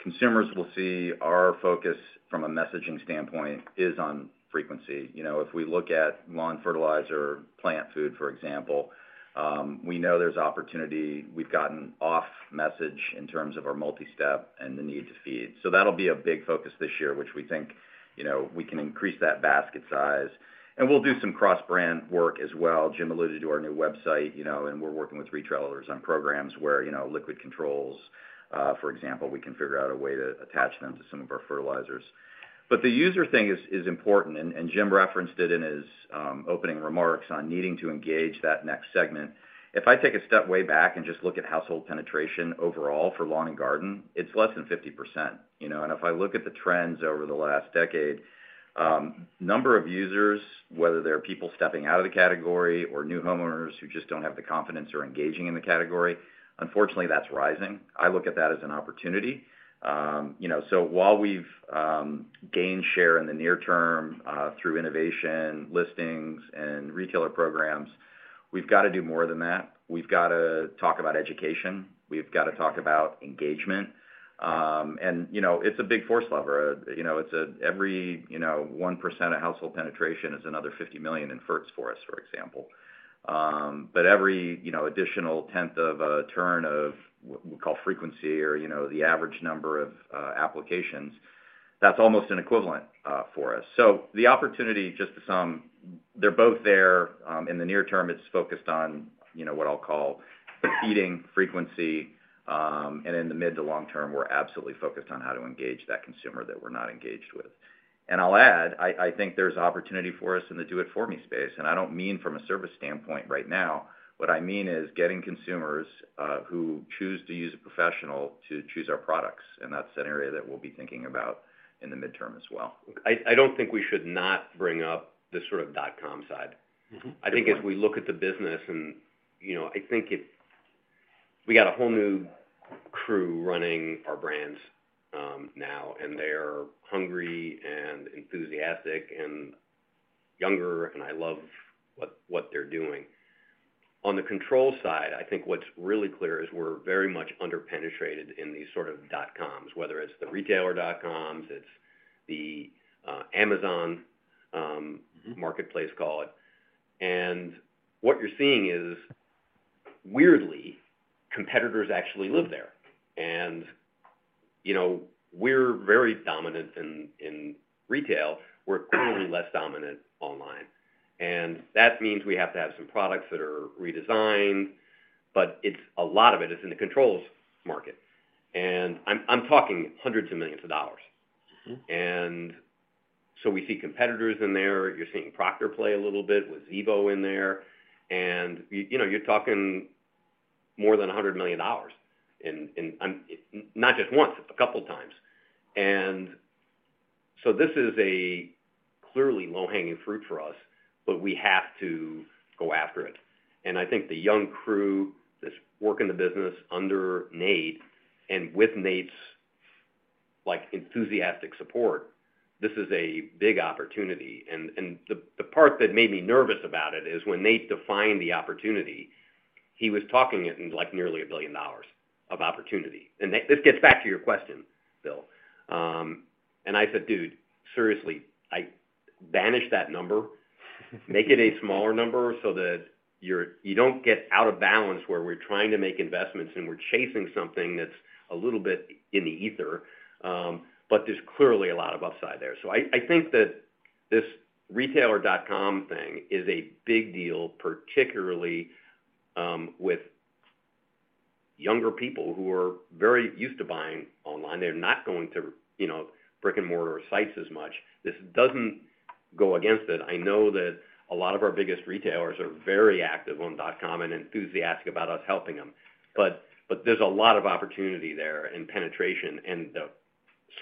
[SPEAKER 6] consumers will see our focus from a messaging standpoint is on frequency. If we look at lawn fertilizer, plant food, for example, we know there's opportunity. We've gotten off message in terms of our multi-step and the need to feed. So that'll be a big focus this year, which we think we can increase that basket size. And we'll do some cross-brand work as well. Jim alluded to our new website, and we're working with retailers on programs where liquid controls, for example, we can figure out a way to attach them to some of our fertilizers. But the user thing is important, and Jim referenced it in his opening remarks on needing to engage that next segment. If I take a step way back and just look at household penetration overall for lawn and garden, it's less than 50%. And if I look at the trends over the last decade, number of users, whether they're people stepping out of the category or new homeowners who just don't have the confidence or engaging in the category, unfortunately, that's rising. I look at that as an opportunity. So while we've gained share in the near term through innovation, listings, and retailer programs, we've got to do more than that. We've got to talk about education. We've got to talk about engagement, and it's a big force lever. It's every 1% of household penetration is another $50 million in sales for us, for example. But every additional tenth of a turn of what we call frequency or the average number of applications, that's almost an equivalent for us. So the opportunity, just to sum, they're both there. In the near term, it's focused on what I'll call feeding frequency, and in the mid to long term, we're absolutely focused on how to engage that consumer that we're not engaged with. And I'll add, I think there's opportunity for us in the do-it-for-me space. And I don't mean from a service standpoint right now. What I mean is getting consumers who choose to use a professional to choose our products. And that's an area that we'll be thinking about in the midterm as well.
[SPEAKER 2] I don't think we should not bring up the sort of dot-com side. I think as we look at the business, and I think we got a whole new crew running our brands now, and they're hungry and enthusiastic and younger, and I love what they're doing. On the control side, I think what's really clear is we're very much underpenetrated in these sort of dot-coms, whether it's the retailer.com, it's the Amazon Marketplace, call it. And what you're seeing is, weirdly, competitors actually live there. And we're very dominant in retail. We're clearly less dominant online. And that means we have to have some products that are redesigned, but a lot of it is in the controls market. And I'm talking hundreds of millions of dollars. And so we see competitors in there. You're seeing Procter play a little bit with Zevo in there. And you're talking more than $100 million in not just once, a couple of times. And so this is a clearly low-hanging fruit for us, but we have to go after it. And I think the young crew, this work in the business under Nate and with Nate's enthusiastic support, this is a big opportunity. And the part that made me nervous about it is when Nate defined the opportunity, he was talking at nearly $1 billion of opportunity. And this gets back to your question, Bill. And I said, "Dude, seriously, banish that number. Make it a smaller number so that you don't get out of balance where we're trying to make investments and we're chasing something that's a little bit in the ether." But there's clearly a lot of upside there. So, I think that this retailer.com thing is a big deal, particularly with younger people who are very used to buying online. They're not going to brick-and-mortar sites as much. This doesn't go against it. I know that a lot of our biggest retailers are very active on dot-com and enthusiastic about us helping them. But there's a lot of opportunity there and penetration. And the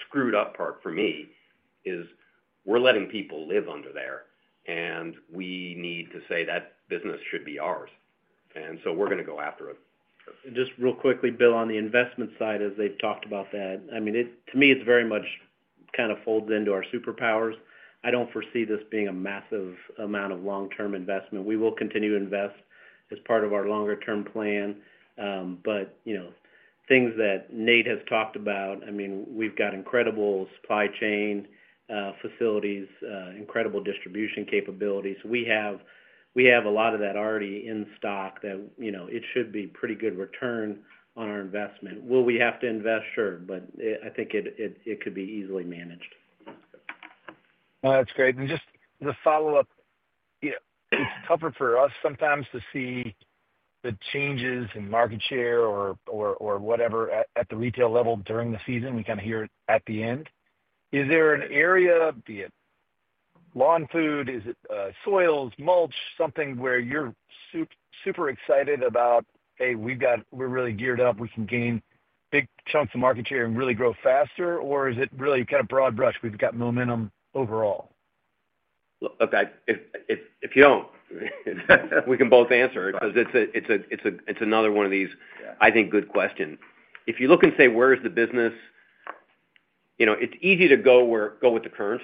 [SPEAKER 2] screwed-up part for me is we're letting people live under there, and we need to say that business should be ours. And so we're going to go after it.
[SPEAKER 3] Just real quickly, Bill, on the investment side, as they've talked about that, I mean, to me, it's very much kind of folds into our superpowers. I don't foresee this being a massive amount of long-term investment. We will continue to invest as part of our longer-term plan. But things that Nate has talked about, I mean, we've got incredible supply chain facilities, incredible distribution capabilities. We have a lot of that already in stock that it should be a pretty good return on our investment. Will we have to invest? Sure. But I think it could be easily managed.
[SPEAKER 7] That's great. And just the follow-up, it's tougher for us sometimes to see the changes in market share or whatever at the retail level during the season. We kind of hear it at the end. Is there an area, be it lawn food, is it soils, mulch, something where you're super excited about, "Hey, we're really geared up. We can gain big chunks of market share and really grow faster"? Or is it really kind of broad brush, "We've got momentum overall"?
[SPEAKER 2] Okay. If you don't, we can both answer it because it's another one of these, I think, good questions. If you look and say, "Where is the business?" It's easy to go with the current.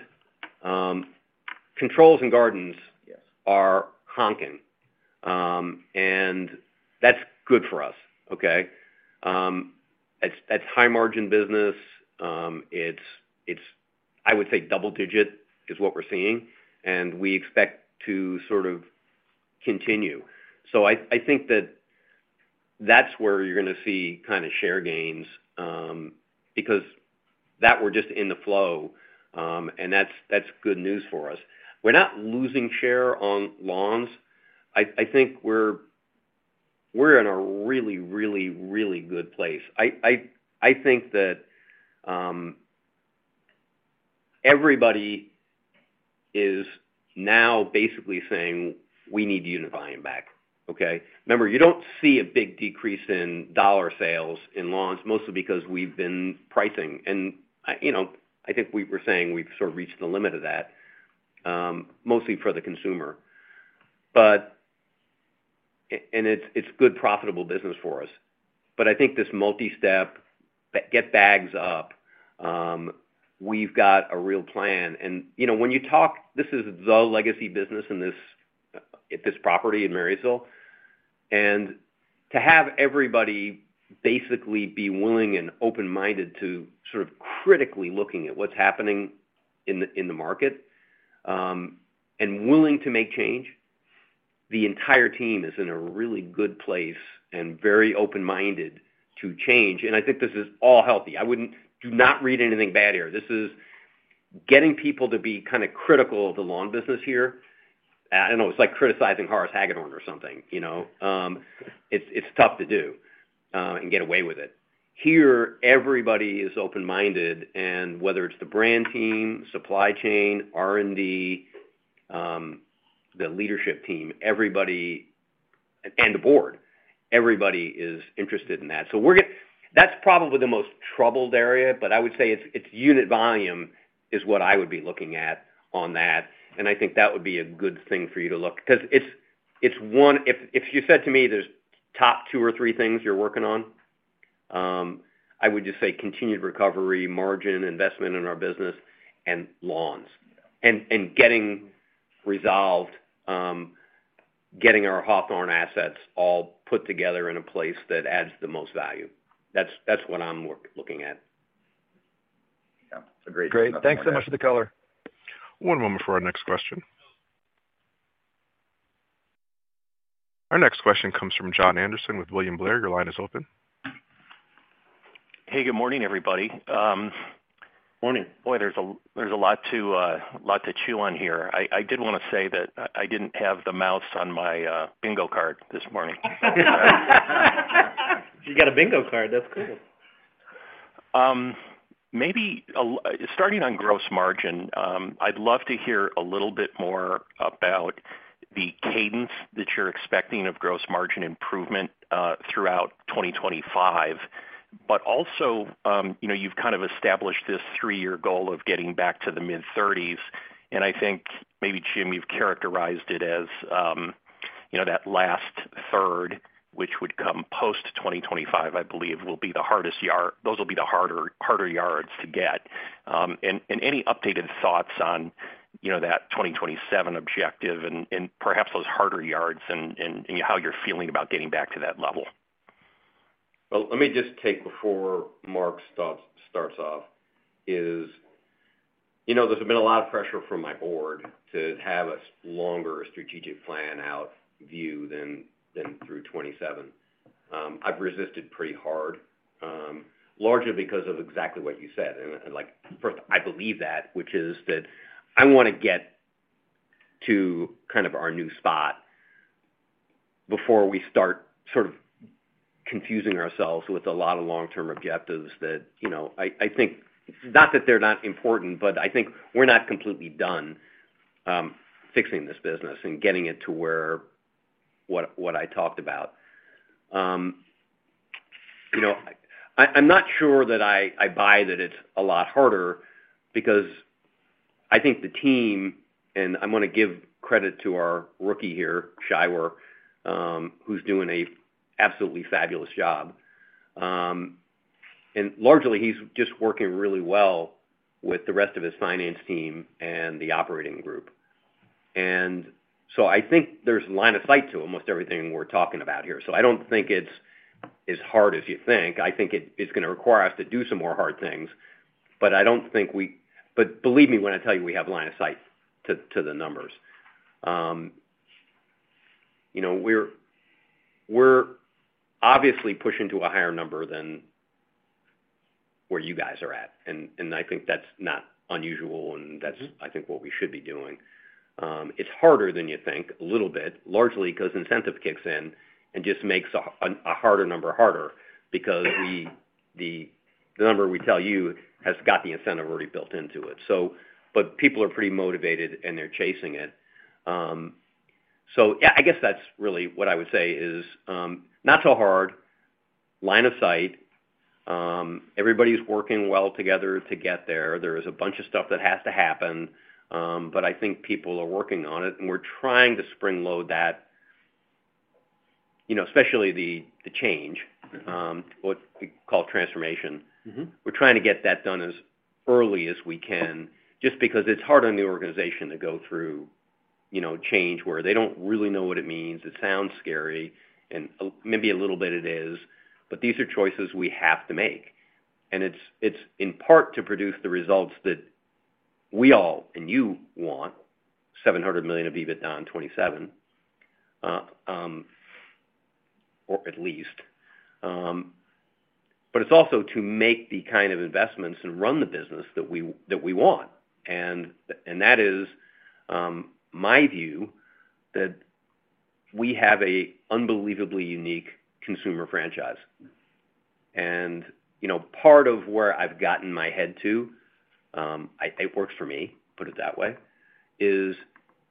[SPEAKER 2] Controls and gardens are hot, and that's good for us, okay? It's high-margin business. It's, I would say, double-digit is what we're seeing, and we expect to sort of continue. So I think that that's where you're going to see kind of share gains because we're just in the flow, and that's good news for us. We're not losing share on lawns. I think we're in a really, really, really good place. I think that everybody is now basically saying, "We need to unify them back." Okay? Remember, you don't see a big decrease in dollar sales in lawns, mostly because we've been pricing. And I think we were saying we've sort of reached the limit of that, mostly for the consumer. And it's a good, profitable business for us. But I think this multi-step, get bags up, we've got a real plan. And when you talk, this is the legacy business at this property in Marysville. And to have everybody basically be willing and open-minded to sort of critically looking at what's happening in the market and willing to make change, the entire team is in a really good place and very open-minded to change. And I think this is all healthy. I do not read anything bad here. This is getting people to be kind of critical of the lawn business here. I don't know. It's like criticizing Horace Hagedorn or something. It's tough to do and get away with it. Here, everybody is open-minded, and whether it's the brand team, supply chain, R&D, the leadership team, and the board, everybody is interested in that. So that's probably the most troubled area, but I would say its unit volume is what I would be looking at on that. And I think that would be a good thing for you to look because it's one if you said to me there's top two or three things you're working on, I would just say continued recovery, margin, investment in our business, and lawns, and getting resolved, getting our Hawthorne assets all put together in a place that adds the most value. That's what I'm looking at.
[SPEAKER 7] Yeah. That's a great summary. Great. Thanks so much for the color.
[SPEAKER 4] One moment for our next question. Our next question comes from Jon Andersen with William Blair. Your line is open.
[SPEAKER 8] Hey, good morning, everybody.
[SPEAKER 2] Morning.
[SPEAKER 8] Boy, there's a lot to chew on here. I did want to say that I didn't have the mouse on my bingo card this morning.
[SPEAKER 3] You got a bingo card. That's cool.
[SPEAKER 8] Maybe starting on gross margin, I'd love to hear a little bit more about the cadence that you're expecting of gross margin improvement throughout 2025. But also, you've kind of established this three-year goal of getting back to the mid-30s. And I think maybe, Jim, you've characterized it as that last third, which would come post-2025, I believe, will be the hardest yard. Those will be the harder yards to get. And any updated thoughts on that 2027 objective and perhaps those harder yards and how you're feeling about getting back to that level?
[SPEAKER 2] Let me just say before Mark starts off, is there's been a lot of pressure from my board to have a longer strategic plan outlook than through 2027. I've resisted pretty hard, largely because of exactly what you said. First, I believe that, which is that I want to get to kind of our new spot before we start sort of confusing ourselves with a lot of long-term objectives that I think not that they're not important, but I think we're not completely done fixing this business and getting it to where what I talked about. I'm not sure that I buy that it's a lot harder because I think the team and I'm going to give credit to our rookie here, Scheiwer, who's doing an absolutely fabulous job. Largely, he's just working really well with the rest of his finance team and the operating group. And so I think there's a line of sight to almost everything we're talking about here. So I don't think it's as hard as you think. I think it's going to require us to do some more hard things. But I don't think we believe me when I tell you we have a line of sight to the numbers. We're obviously pushing to a higher number than where you guys are at. And I think that's not unusual, and that's, I think, what we should be doing. It's harder than you think a little bit, largely because incentive kicks in and just makes a harder number harder because the number we tell you has got the incentive already built into it. But people are pretty motivated, and they're chasing it. So yeah, I guess that's really what I would say is not so hard, line of sight. Everybody's working well together to get there. There is a bunch of stuff that has to happen, but I think people are working on it. And we're trying to spring-load that, especially the change, what we call transformation. We're trying to get that done as early as we can just because it's hard on the organization to go through change where they don't really know what it means. It sounds scary, and maybe a little bit it is. But these are choices we have to make. And it's in part to produce the results that we all and you want, $700 million of EBITDA in 2027, or at least. But it's also to make the kind of investments and run the business that we want. And that is, in my view, that we have an unbelievably unique consumer franchise. And part of where I've gotten my head to, it works for me, put it that way, is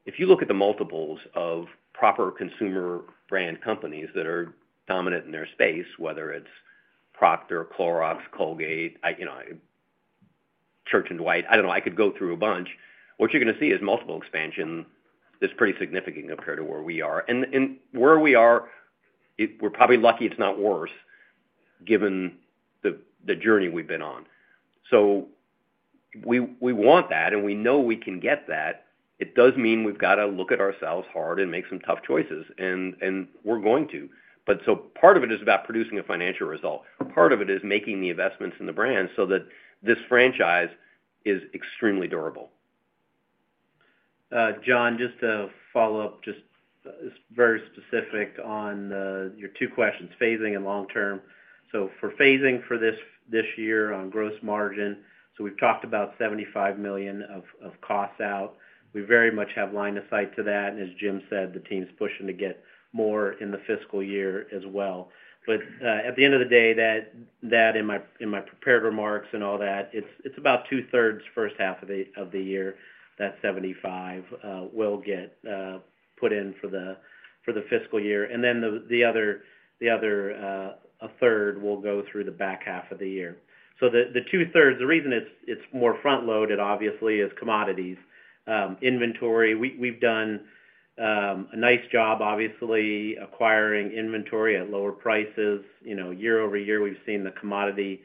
[SPEAKER 2] if you look at the multiples of proper consumer brand companies that are dominant in their space, whether it's Procter, Clorox, Colgate, Church & Dwight. I don't know. I could go through a bunch. What you're going to see is multiple expansion. It's pretty significant compared to where we are. And where we are, we're probably lucky it's not worse given the journey we've been on. So we want that, and we know we can get that. It does mean we've got to look at ourselves hard and make some tough choices. And we're going to. But so part of it is about producing a financial result. Part of it is making the investments in the brand so that this franchise is extremely durable.
[SPEAKER 3] Jon, just to follow up, just very specific on your two questions, phasing and long-term. So for phasing for this year on gross margin, so we've talked about $75 million of costs out. We very much have line of sight to that. And as Jim said, the team's pushing to get more in the fiscal year as well. But at the end of the day, that in my prepared remarks and all that, it's about two-thirds first half of the year that $75 million will get put in for the fiscal year. And then the other third will go through the back half of the year. So the two-thirds, the reason it's more front-loaded, obviously, is commodities, inventory. We've done a nice job, obviously, acquiring inventory at lower prices. Year over year, we've seen the commodity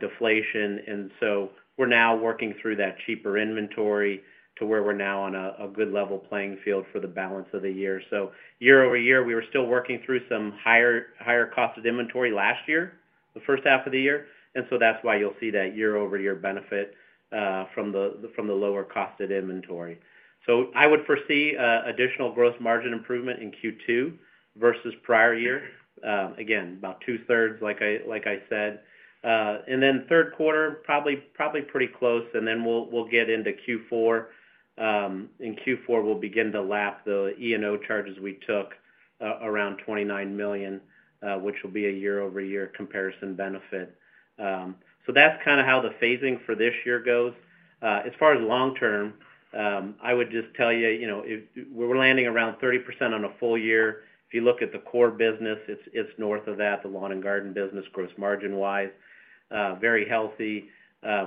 [SPEAKER 3] deflation. And so we're now working through that cheaper inventory to where we're now on a good level playing field for the balance of the year. So year-over-year, we were still working through some higher cost of inventory last year, the first half of the year. And so that's why you'll see that year-over-year benefit from the lower cost of inventory. So I would foresee additional gross margin improvement in Q2 versus prior year. Again, about two-thirds, like I said. And then third quarter, probably pretty close. And then we'll get into Q4. In Q4, we'll begin to lap the E&O charges we took around $29 million, which will be a year-over-year comparison benefit. So that's kind of how the phasing for this year goes. As far as long-term, I would just tell you we're landing around 30% on a full year. If you look at the core business, it's north of that, the lawn and garden business, gross margin-wise, very healthy.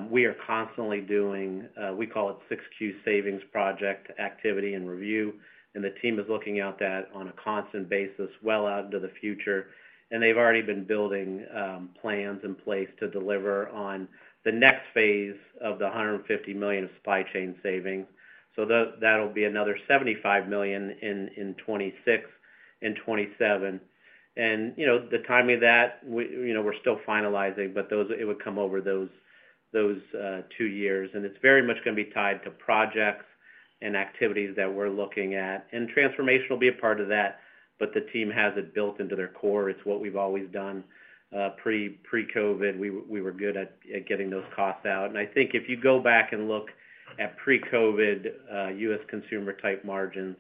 [SPEAKER 3] We are constantly doing what we call a 6S savings project activity and review. And the team is looking at that on a constant basis well out into the future. And they've already been building plans in place to deliver on the next phase of the $150 million of supply chain savings. So that'll be another $75 million in 2026 and 2027. And the timing of that, we're still finalizing, but it would come over those two years. And it's very much going to be tied to projects and activities that we're looking at. And transformation will be a part of that, but the team has it built into their core. It's what we've always done. Pre-COVID, we were good at getting those costs out. I think if you go back and look at pre-COVID U.S. consumer-type margins,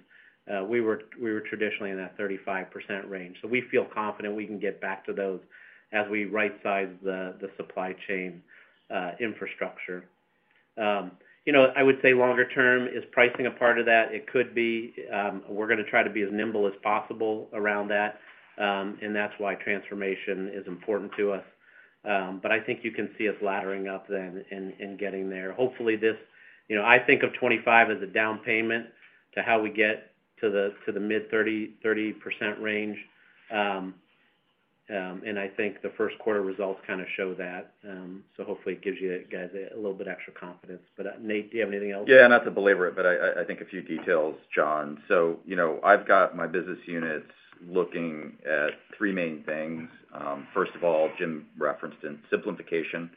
[SPEAKER 3] we were traditionally in that 35% range. So we feel confident we can get back to those as we right-size the supply chain infrastructure. I would say longer-term, is pricing a part of that? It could be. We're going to try to be as nimble as possible around that. That's why transformation is important to us. But I think you can see us laddering up then and getting there. Hopefully, I think of 2025 as a down payment to how we get to the mid-30% range. I think the first quarter results kind of show that. So hopefully, it gives you guys a little bit extra confidence. But Nate, do you have anything else?
[SPEAKER 6] Yeah. Not to belabor it, but I think a few details, Jon. So I've got my business units looking at three main things. First of all, Jim referenced in simplification.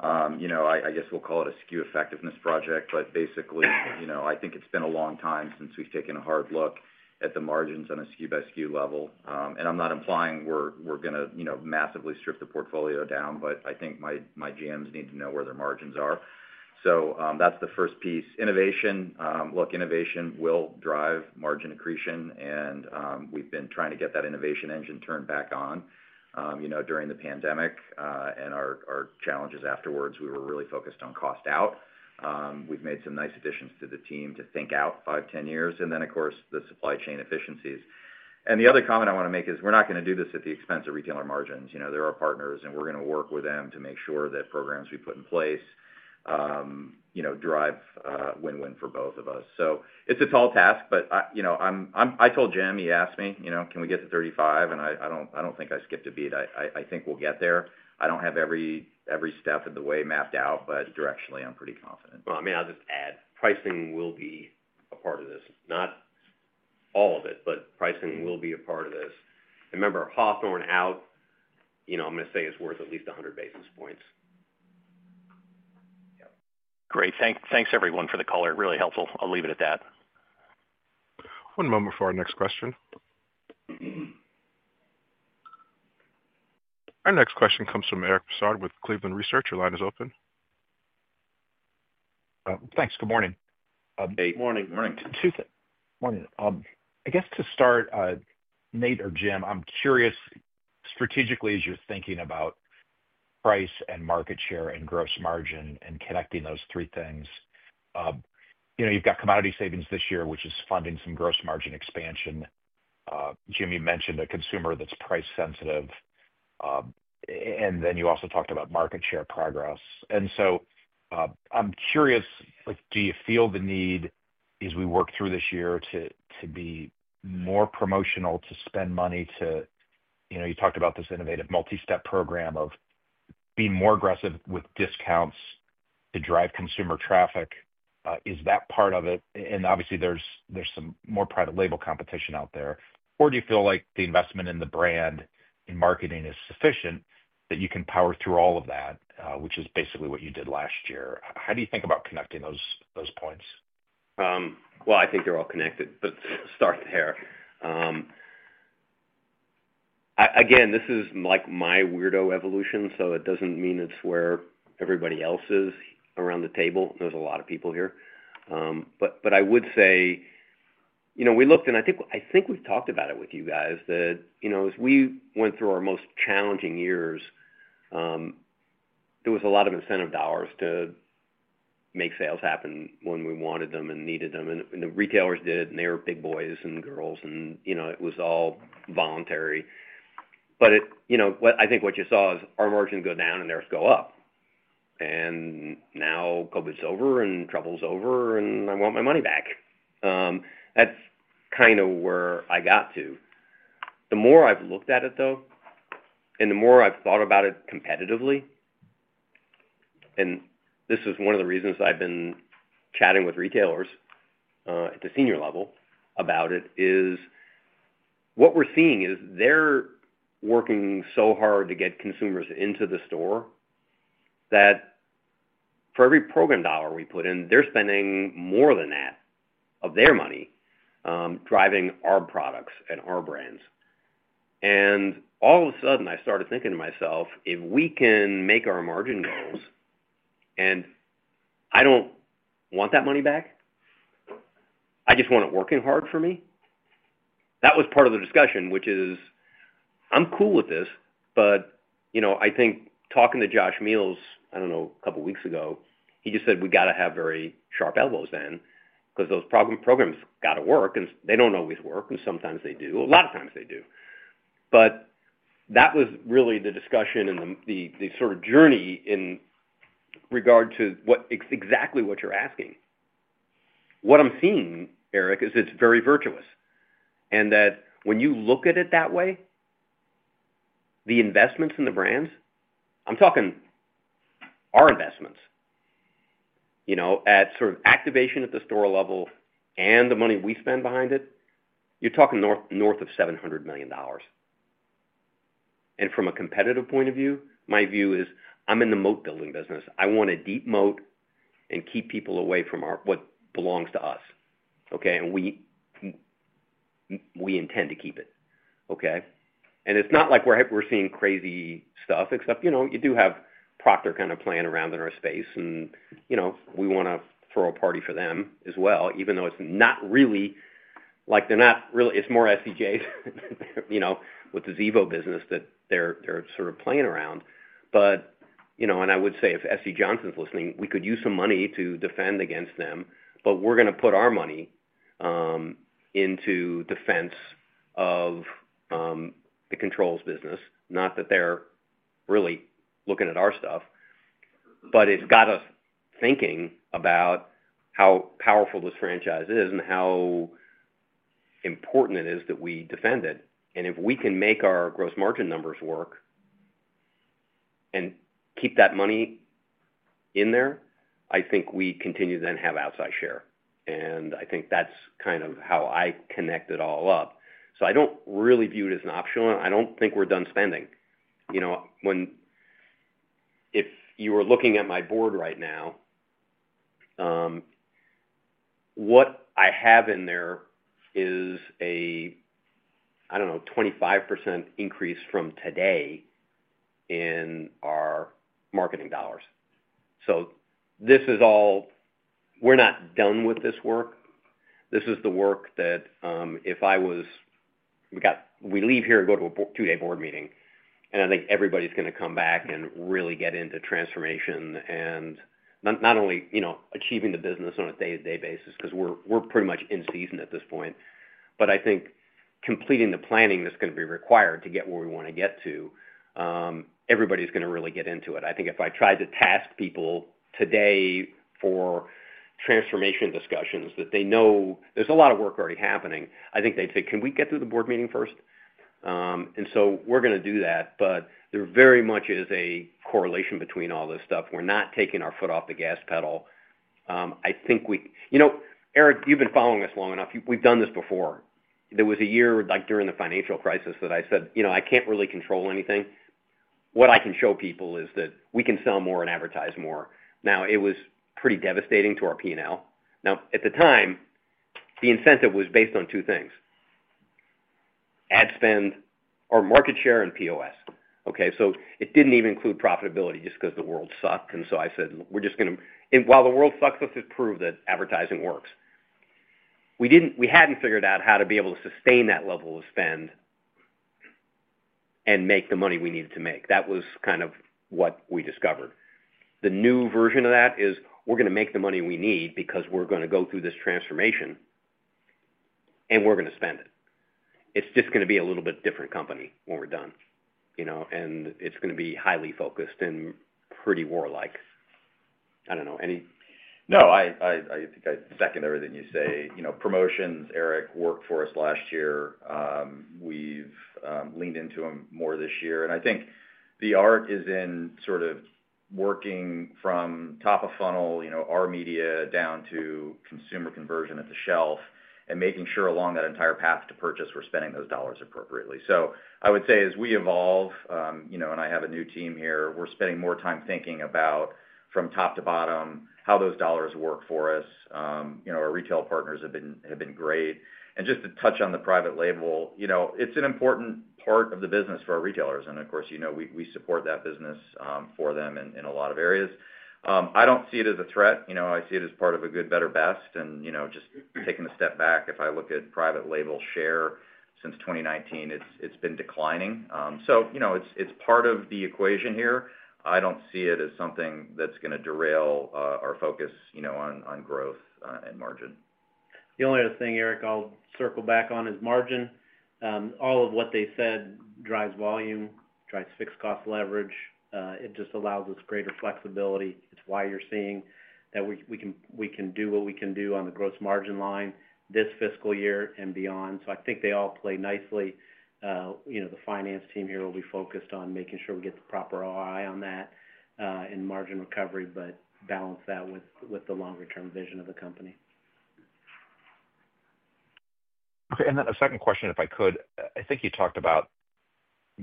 [SPEAKER 6] I guess we'll call it a SKU effectiveness project. But basically, I think it's been a long time since we've taken a hard look at the margins on a SKU-by-SKU level. And I'm not implying we're going to massively strip the portfolio down, but I think my GMs need to know where their margins are. So that's the first piece. Innovation. Look, innovation will drive margin accretion. And we've been trying to get that innovation engine turned back on during the pandemic. And our challenges afterwards, we were really focused on cost out. We've made some nice additions to the team to think out five, 10 years. And then, of course, the supply chain efficiencies. And the other comment I want to make is we're not going to do this at the expense of retailer margins. There are partners, and we're going to work with them to make sure that programs we put in place drive win-win for both of us. So it's a tall task, but I told Jim. He asked me, "Can we get to 35?" And I don't think I skipped a beat. I think we'll get there. I don't have every step of the way mapped out, but directionally, I'm pretty confident.
[SPEAKER 2] Well, I mean, I'll just add pricing will be a part of this. Not all of it, but pricing will be a part of this. Remember, Hawthorne out, I'm going to say it's worth at least 100 basis points.
[SPEAKER 8] Yep. Great. Thanks, everyone, for the color. Really helpful. I'll leave it at that.
[SPEAKER 4] One moment for our next question. Our next question comes from Eric Bosshard with Cleveland Research. Your line is open.
[SPEAKER 9] Thanks. Good morning.
[SPEAKER 2] Good morning.
[SPEAKER 3] Good morning.
[SPEAKER 9] I guess to start, Nate or Jim, I'm curious, strategically, as you're thinking about price and market share and gross margin and connecting those three things, you've got commodity savings this year, which is funding some gross margin expansion. Jim, you mentioned a consumer that's price-sensitive. And then you also talked about market share progress. And so I'm curious, do you feel the need, as we work through this year, to be more promotional, to spend money. You talked about this innovative multi-step program of being more aggressive with discounts to drive consumer traffic. Is that part of it? And obviously, there's some more private label competition out there. Or do you feel like the investment in the brand, in marketing, is sufficient that you can power through all of that, which is basically what you did last year? How do you think about connecting those points?
[SPEAKER 2] Well, I think they're all connected, but start there. Again, this is my weirdo evolution, so it doesn't mean it's where everybody else is around the table. There's a lot of people here. But I would say we looked, and I think we've talked about it with you guys, that as we went through our most challenging years, there was a lot of incentive dollars to make sales happen when we wanted them and needed them. And the retailers did, and they were big boys and girls, and it was all voluntary. But I think what you saw is our margins go down and theirs go up. Now COVID's over and trouble's over, and I want my money back. That's kind of where I got to. The more I've looked at it, though, and the more I've thought about it competitively, and this is one of the reasons I've been chatting with retailers at the senior level about it, is what we're seeing is they're working so hard to get consumers into the store that for every program dollar we put in, they're spending more than that of their money driving our products and our brands. All of a sudden, I started thinking to myself, "If we can make our margin goals, and I don't want that money back, I just want it working hard for me." That was part of the discussion, which is I'm cool with this, but I think talking to Josh Mehl, I don't know, a couple of weeks ago, he just said, "We got to have very sharp elbows then because those programs got to work." And they don't always work, and sometimes they do. A lot of times they do. But that was really the discussion and the sort of journey in regard to exactly what you're asking. What I'm seeing, Eric, is it's very virtuous. That when you look at it that way, the investments in the brands, I'm talking our investments at sort of activation at the store level and the money we spend behind it, you're talking north of $700 million. From a competitive point of view, my view is I'm in the moat-building business. I want to deep moat and keep people away from what belongs to us, okay? We intend to keep it, okay? It's not like we're seeing crazy stuff, except you do have Procter kind of playing around in our space, and we want to throw a party for them as well, even though it's not really like they're not really. It's more SC Johnson with the Zevo business that they're sort of playing around. But I would say if SC Johnson's listening, we could use some money to defend against them, but we're going to put our money into defense of the controls business, not that they're really looking at our stuff. But it's got us thinking about how powerful this franchise is and how important it is that we defend it. And if we can make our gross margin numbers work and keep that money in there, I think we continue to then have outside share. And I think that's kind of how I connect it all up. So I don't really view it as an optional. I don't think we're done spending. If you were looking at my board right now, what I have in there is a, I don't know, 25% increase from today in our marketing dollars. So this is all we're not done with this work. This is the work that if we leave here and go to a two-day board meeting, and I think everybody's going to come back and really get into transformation and not only achieving the business on a day-to-day basis because we're pretty much in season at this point, but I think completing the planning that's going to be required to get where we want to get to. Everybody's going to really get into it. I think if I tried to task people today for transformation discussions that they know there's a lot of work already happening, I think they'd say, "Can we get through the board meeting first?" And so we're going to do that, but there very much is a correlation between all this stuff. We're not taking our foot off the gas pedal. I think, Eric, you've been following us long enough. We've done this before. There was a year during the financial crisis that I said, "I can't really control anything. What I can show people is that we can sell more and advertise more." Now, it was pretty devastating to our P&L. Now, at the time, the incentive was based on two things: ad spend or market share and POS. Okay? So it didn't even include profitability just because the world sucked. And so I said, "We're just going to" and while the world sucks, let's just prove that advertising works. We hadn't figured out how to be able to sustain that level of spend and make the money we needed to make. That was kind of what we discovered. The new version of that is we're going to make the money we need because we're going to go through this transformation, and we're going to spend it. It's just going to be a little bit different company when we're done. And it's going to be highly focused and pretty warlike. I don't know. Any?
[SPEAKER 6] No, I think I second everything you say. Promotions, Eric, worked for us last year. We've leaned into them more this year. And I think the art is in sort of working from top of funnel, our media, down to consumer conversion at the shelf, and making sure along that entire path to purchase, we're spending those dollars appropriately. So I would say as we evolve, and I have a new team here, we're spending more time thinking about from top to bottom, how those dollars work for us. Our retail partners have been great. And just to touch on the private label, it's an important part of the business for our retailers. And of course, we support that business for them in a lot of areas. I don't see it as a threat. I see it as part of a good, better, best. And just taking a step back, if I look at private label share since 2019, it's been declining. So it's part of the equation here. I don't see it as something that's going to derail our focus on growth and margin.
[SPEAKER 3] The only other thing, Eric, I'll circle back on is margin. All of what they said drives volume, drives fixed cost leverage. It just allows us greater flexibility. It's why you're seeing that we can do what we can do on the gross margin line this fiscal year and beyond. So I think they all play nicely. The finance team here will be focused on making sure we get the proper eye on that and margin recovery, but balance that with the longer-term vision of the company.
[SPEAKER 9] Okay. And then a second question, if I could. I think you talked about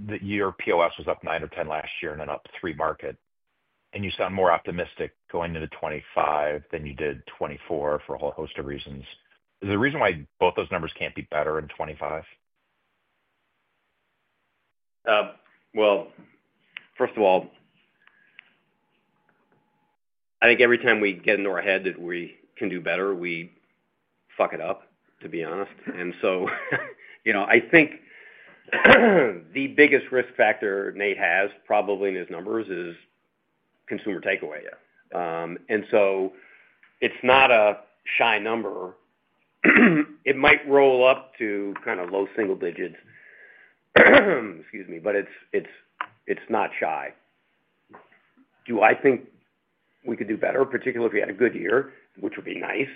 [SPEAKER 9] that your POS was up nine or 10 last year and then up three market. And you sound more optimistic going into 2025 than you did 2024 for a whole host of reasons. Is there a reason why both those numbers can't be better in 2025?
[SPEAKER 2] Well, first of all, I think every time we get into our head that we can do better, we fuck it up, to be honest. And so I think the biggest risk factor Nate has probably in his numbers is consumer takeaway. And so it's not a shy number. It might roll up to kind of low single digits, excuse me, but it's not shy. Do I think we could do better, particularly if we had a good year, which would be nice?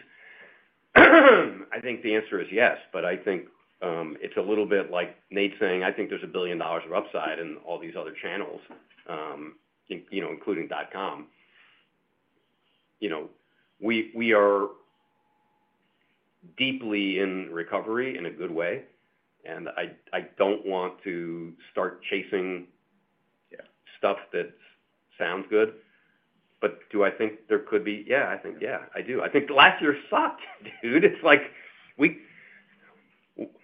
[SPEAKER 2] I think the answer is yes, but I think it's a little bit like Nate saying, "I think there's $1 billion of upside in all these other channels, including dot com." We are deeply in recovery in a good way. And I don't want to start chasing stuff that sounds good. But do I think there could be? Yeah, I think, yeah, I do. I think last year sucked, dude. It's like,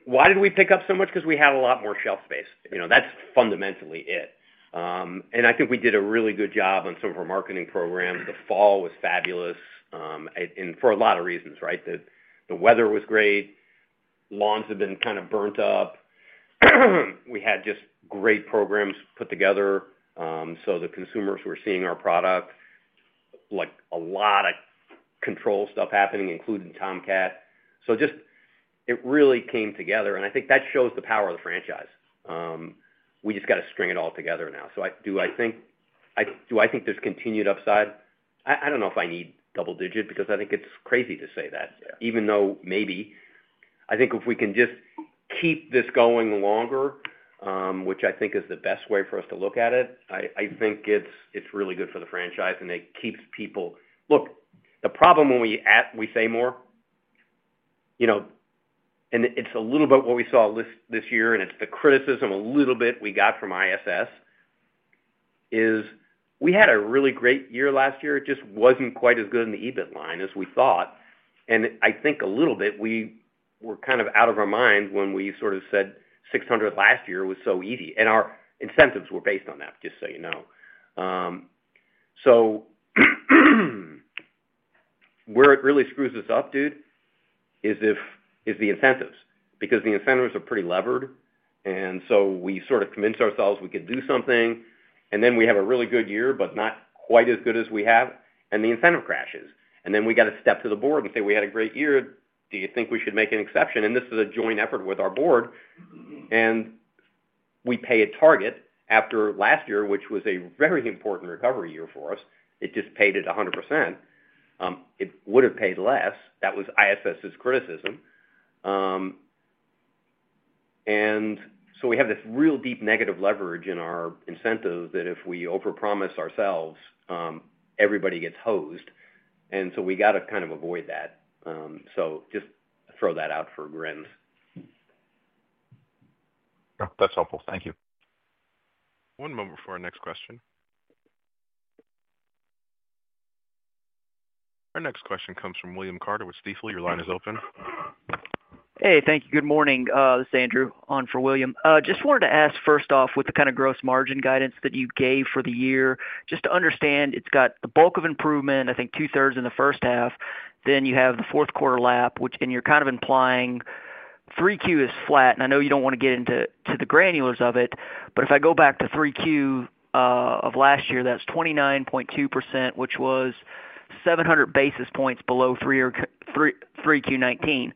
[SPEAKER 2] "Why did we pick up so much?" Because we had a lot more shelf space. That's fundamentally it. And I think we did a really good job on some of our marketing programs. The fall was fabulous for a lot of reasons, right? The weather was great. Lawns have been kind of burnt up. We had just great programs put together. So the consumers were seeing our product, a lot of control stuff happening, including Tomcat. So it really came together. And I think that shows the power of the franchise. We just got to string it all together now. So do I think there's continued upside? I don't know if I need double-digit because I think it's crazy to say that, even though maybe. I think if we can just keep this going longer, which I think is the best way for us to look at it, I think it's really good for the franchise, and it keeps people. Look, the problem when we say more, and it's a little bit what we saw this year, and it's the criticism a little bit we got from ISS, is we had a really great year last year. It just wasn't quite as good in the EBIT line as we thought. And I think a little bit we were kind of out of our minds when we sort of said 600 last year was so easy. And our incentives were based on that, just so you know. So where it really screws us up, dude, is the incentives because the incentives are pretty levered. And so we sort of convince ourselves we could do something, and then we have a really good year, but not quite as good as we have, and the incentive crashes. And then we got to step to the board and say, "We had a great year. Do you think we should make an exception?" And this is a joint effort with our board. And we pay a target after last year, which was a very important recovery year for us. It just paid it 100%. It would have paid less. That was ISS's criticism. And so we have this real deep negative leverage in our incentives that if we overpromise ourselves, everybody gets hosed. And so we got to kind of avoid that. So just throw that out for grins.
[SPEAKER 9] That's helpful. Thank you.
[SPEAKER 4] One moment before our next question. Our next question comes from William Carter with Stifel. Your line is open.
[SPEAKER 10] Hey, thank you. Good morning. This is Andrew on for William. Just wanted to ask first off with the kind of gross margin guidance that you gave for the year, just to understand it's got the bulk of improvement, I think two-thirds in the first half. Then you have the fourth quarter lap, which you're kind of implying 3Q is flat. And I know you don't want to get into the granulars of it, but if I go back to 3Q of last year, that's 29.2%, which was 700 basis points below 3Q 2019.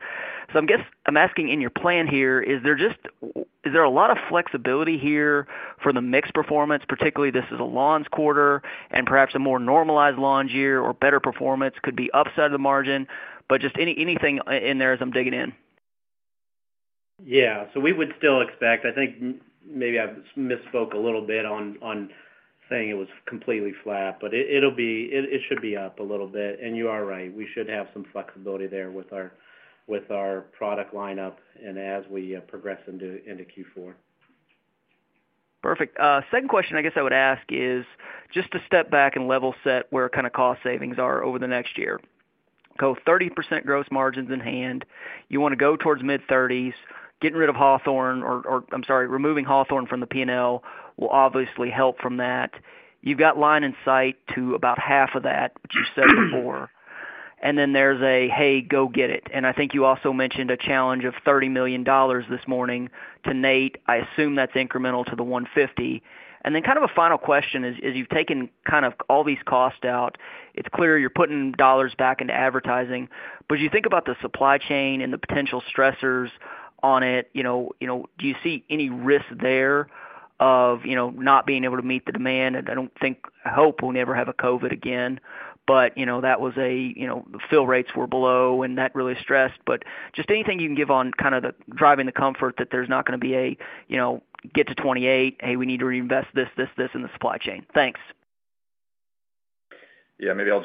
[SPEAKER 10] So I'm asking in your plan here, is there a lot of flexibility here for the mixed performance? Particularly, this is a lawns quarter, and perhaps a more normalized lawn year or better performance could be upside of the margin, but just anything in there as I'm digging in.
[SPEAKER 3] Yeah. We would still expect. I think maybe I misspoke a little bit on saying it was completely flat, but it should be up a little bit. You are right. We should have some flexibility there with our product lineup and as we progress into Q4.
[SPEAKER 10] Perfect. Second question I guess I would ask is just to step back and level set where kind of cost savings are over the next year. Go 30% gross margins in hand. You want to go towards mid-30s. Getting rid of Hawthorne or, I'm sorry, removing Hawthorne from the P&L will obviously help from that. You've got line of sight to about half of that, which you said before. And then there's a, "Hey, go get it." And I think you also mentioned a challenge of $30 million this morning to Nate. I assume that's incremental to the $150 million. And then kind of a final question is, as you've taken kind of all these costs out, it's clear you're putting dollars back into advertising. But as you think about the supply chain and the potential stressors on it, do you see any risk there of not being able to meet the demand? And I don't think, I hope we'll never have a COVID again, but that was a, the fill rates were below, and that really stressed. But just anything you can give on kind of the driving the comfort that there's not going to be a, "Get to 28. Hey, we need to reinvest this, this, this in the supply chain." Thanks.
[SPEAKER 6] Yeah. Maybe I'll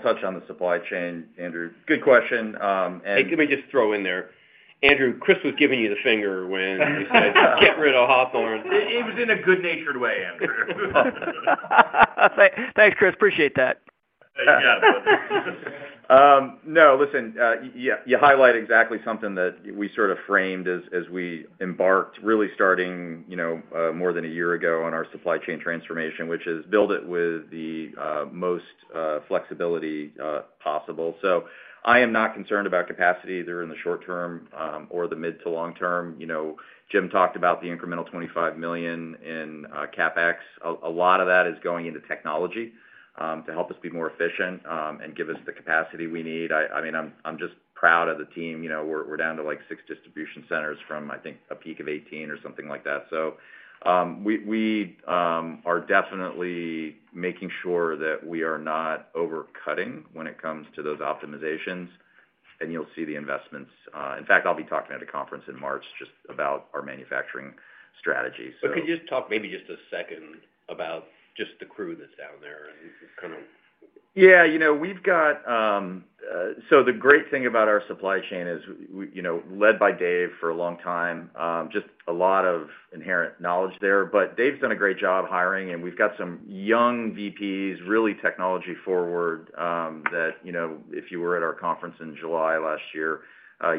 [SPEAKER 6] touch on the supply chain, Andrew. Good question.
[SPEAKER 2] And let me just throw in there. Andrew, Chris was giving you the finger when he said, "Get rid of Hawthorne."
[SPEAKER 5] It was in a good-natured way, Andrew.
[SPEAKER 10] Thanks, Chris. Appreciate that.
[SPEAKER 6] Yeah. No, listen, you highlight exactly something that we sort of framed as we embarked, really starting more than a year ago on our supply chain transformation, which is build it with the most flexibility possible. So I am not concerned about capacity either in the short term or the mid to long term. Jim talked about the incremental $25 million in CapEx. A lot of that is going into technology to help us be more efficient and give us the capacity we need. I mean, I'm just proud of the team. We're down to like six distribution centers from, I think, a peak of 18 or something like that. So we are definitely making sure that we are not overcutting when it comes to those optimizations, and you'll see the investments. In fact, I'll be talking at a conference in March just about our manufacturing strategy.
[SPEAKER 2] So could you just talk maybe just a second about just the crew that's down there and kind of.
[SPEAKER 6] Yeah, we've got, so the great thing about our supply chain is led by Dave for a long time, just a lot of inherent knowledge there. But Dave's done a great job hiring, and we've got some young VPs, really technology-forward, that if you were at our conference in July last year,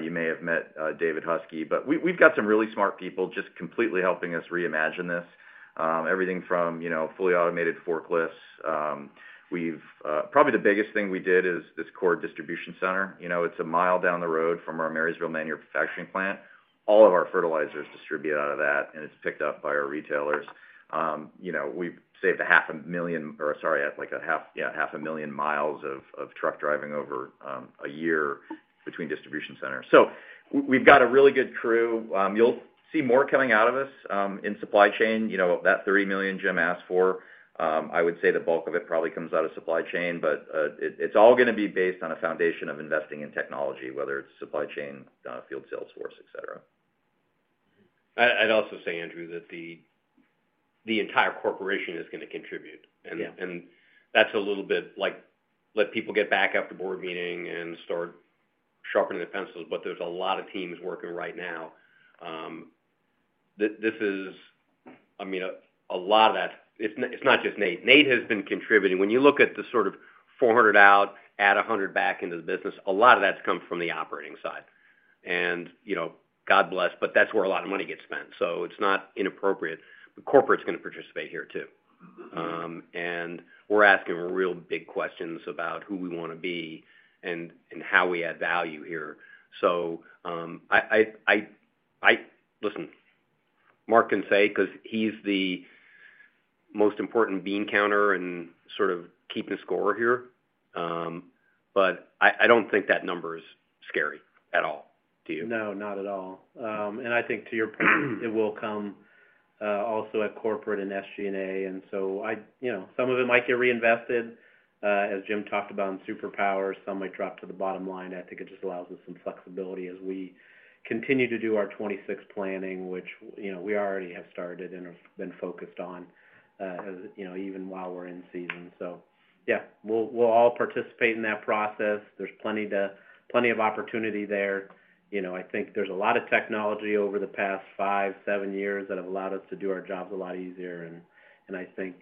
[SPEAKER 6] you may have met David Hussey. But we've got some really smart people just completely helping us reimagine this, everything from fully automated forklifts. Probably the biggest thing we did is this core distribution center. It's 1 mile down the road from our Marysville manufacturing factory plant. All of our fertilizers distribute out of that, and it's picked up by our retailers. We've saved 500,000—or sorry, like 500,000 miles of truck driving over a year between distribution centers. So we've got a really good crew. You'll see more coming out of us in supply chain. That $30 million Jim asked for, I would say the bulk of it probably comes out of supply chain, but it's all going to be based on a foundation of investing in technology, whether it's supply chain, field salesforce, etc.
[SPEAKER 2] I'd also say, Andrew, that the entire corporation is going to contribute. That's a little bit like let people get back after board meeting and start sharpening the pencils, but there's a lot of teams working right now. I mean, a lot of that. It's not just Nate. Nate has been contributing. When you look at the sort of 400 out, add 100 back into the business, a lot of that's come from the operating side. And God bless, but that's where a lot of money gets spent. So it's not inappropriate. The corporate's going to participate here too. And we're asking real big questions about who we want to be and how we add value here. So listen, Mark can say because he's the most important bean counter and sort of keeping score here, but I don't think that number is scary at all to you.
[SPEAKER 3] No, not at all. And I think to your point, it will come also at corporate and SG&A. And so some of it might get reinvested, as Jim talked about, in superpowers. Some might drop to the bottom line. I think it just allows us some flexibility as we continue to do our 26 planning, which we already have started and have been focused on even while we're in season. So yeah, we'll all participate in that process. There's plenty of opportunity there. I think there's a lot of technology over the past five, seven years that have allowed us to do our jobs a lot easier and I think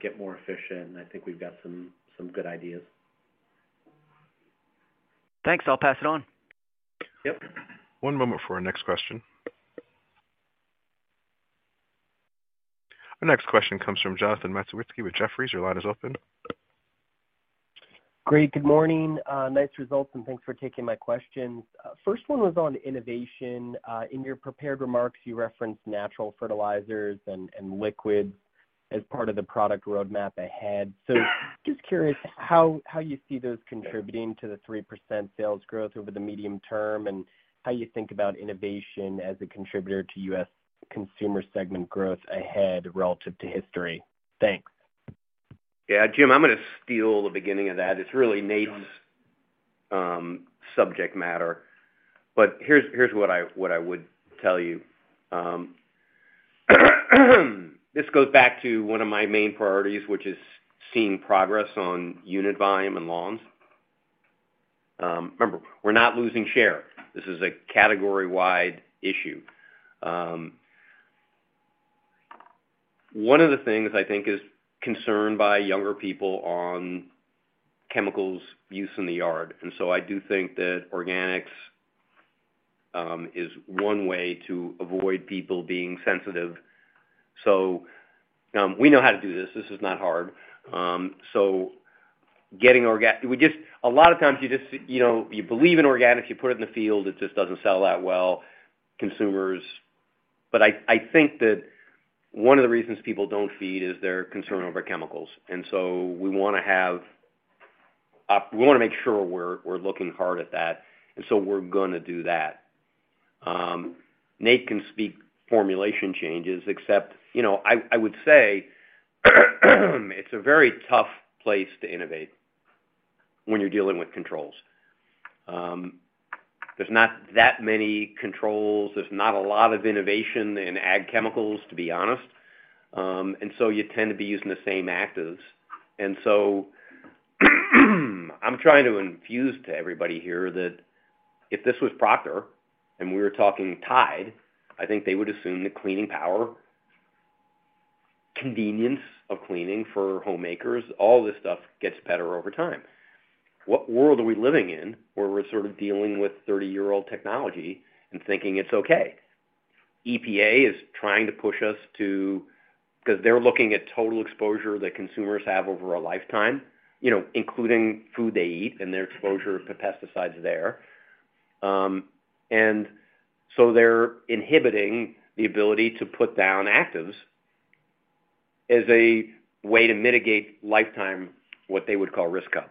[SPEAKER 3] get more efficient. And I think we've got some good ideas.
[SPEAKER 10] Thanks. I'll pass it on.
[SPEAKER 2] Yep.
[SPEAKER 4] One moment for our next question. Our next question comes from Jonathan Matuszewski with Jefferies. Your line is open.
[SPEAKER 11] Great. Good morning. Nice results and thanks for taking my questions. First one was on innovation. In your prepared remarks, you referenced natural fertilizers and liquids as part of the product roadmap ahead. So just curious how you see those contributing to the 3% sales growth over the medium term and how you think about innovation as a contributor to U.S. consumer segment growth ahead relative to history. Thanks.
[SPEAKER 2] Yeah. Jim, I'm going to steal the beginning of that. It's really Nate's subject matter. But here's what I would tell you. This goes back to one of my main priorities, which is seeing progress on unit volume and lawns. Remember, we're not losing share. This is a category-wide issue. One of the things I think is concerned by younger people on chemicals use in the yard. And so I do think that organics is one way to avoid people being sensitive, so we know how to do this. This is not hard, so getting organics, a lot of times you just believe in organics. You put it in the field. It just doesn't sell that well. Consumers. But I think that one of the reasons people don't feed is their concern over chemicals. And so we want to have—we want to make sure we're looking hard at that. And so we're going to do that. Nate can speak formulation changes, except I would say it's a very tough place to innovate when you're dealing with controls. There's not that many controls. There's not a lot of innovation in ag chemicals, to be honest. And so you tend to be using the same actives. And so I'm trying to infuse to everybody here that if this was Procter and we were talking Tide, I think they would assume the cleaning power, convenience of cleaning for homemakers, all this stuff gets better over time. What world are we living in where we're sort of dealing with 30-year-old technology and thinking it's okay? EPA is trying to push us to, because they're looking at total exposure that consumers have over a lifetime, including food they eat and their exposure to pesticides there, and so they're inhibiting the ability to put down actives as a way to mitigate lifetime what they would call risk cup,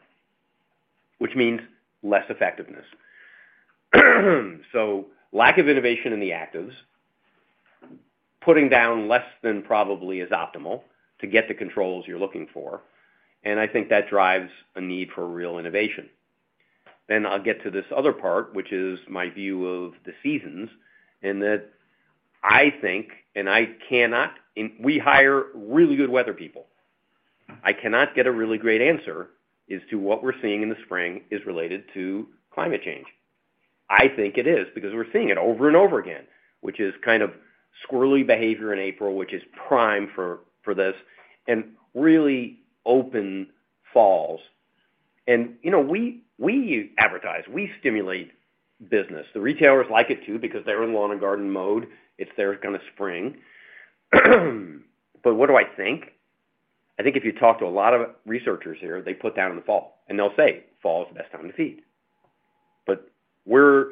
[SPEAKER 2] which means less effectiveness, so lack of innovation in the actives, putting down less than probably is optimal to get the controls you're looking for, and I think that drives a need for real innovation. Then I'll get to this other part, which is my view of the seasons in that I think, and I cannot, we hire really good weather people. I cannot get a really great answer as to what we're seeing in the spring is related to climate change. I think it is because we're seeing it over and over again, which is kind of squirrely behavior in April, which is prime for this, and really open falls. And we advertise. We stimulate business. The retailers like it too because they're in lawn and garden mode. It's their kind of spring. But what do I think? I think if you talk to a lot of researchers here, they put down in the fall. And they'll say fall is the best time to feed. But we're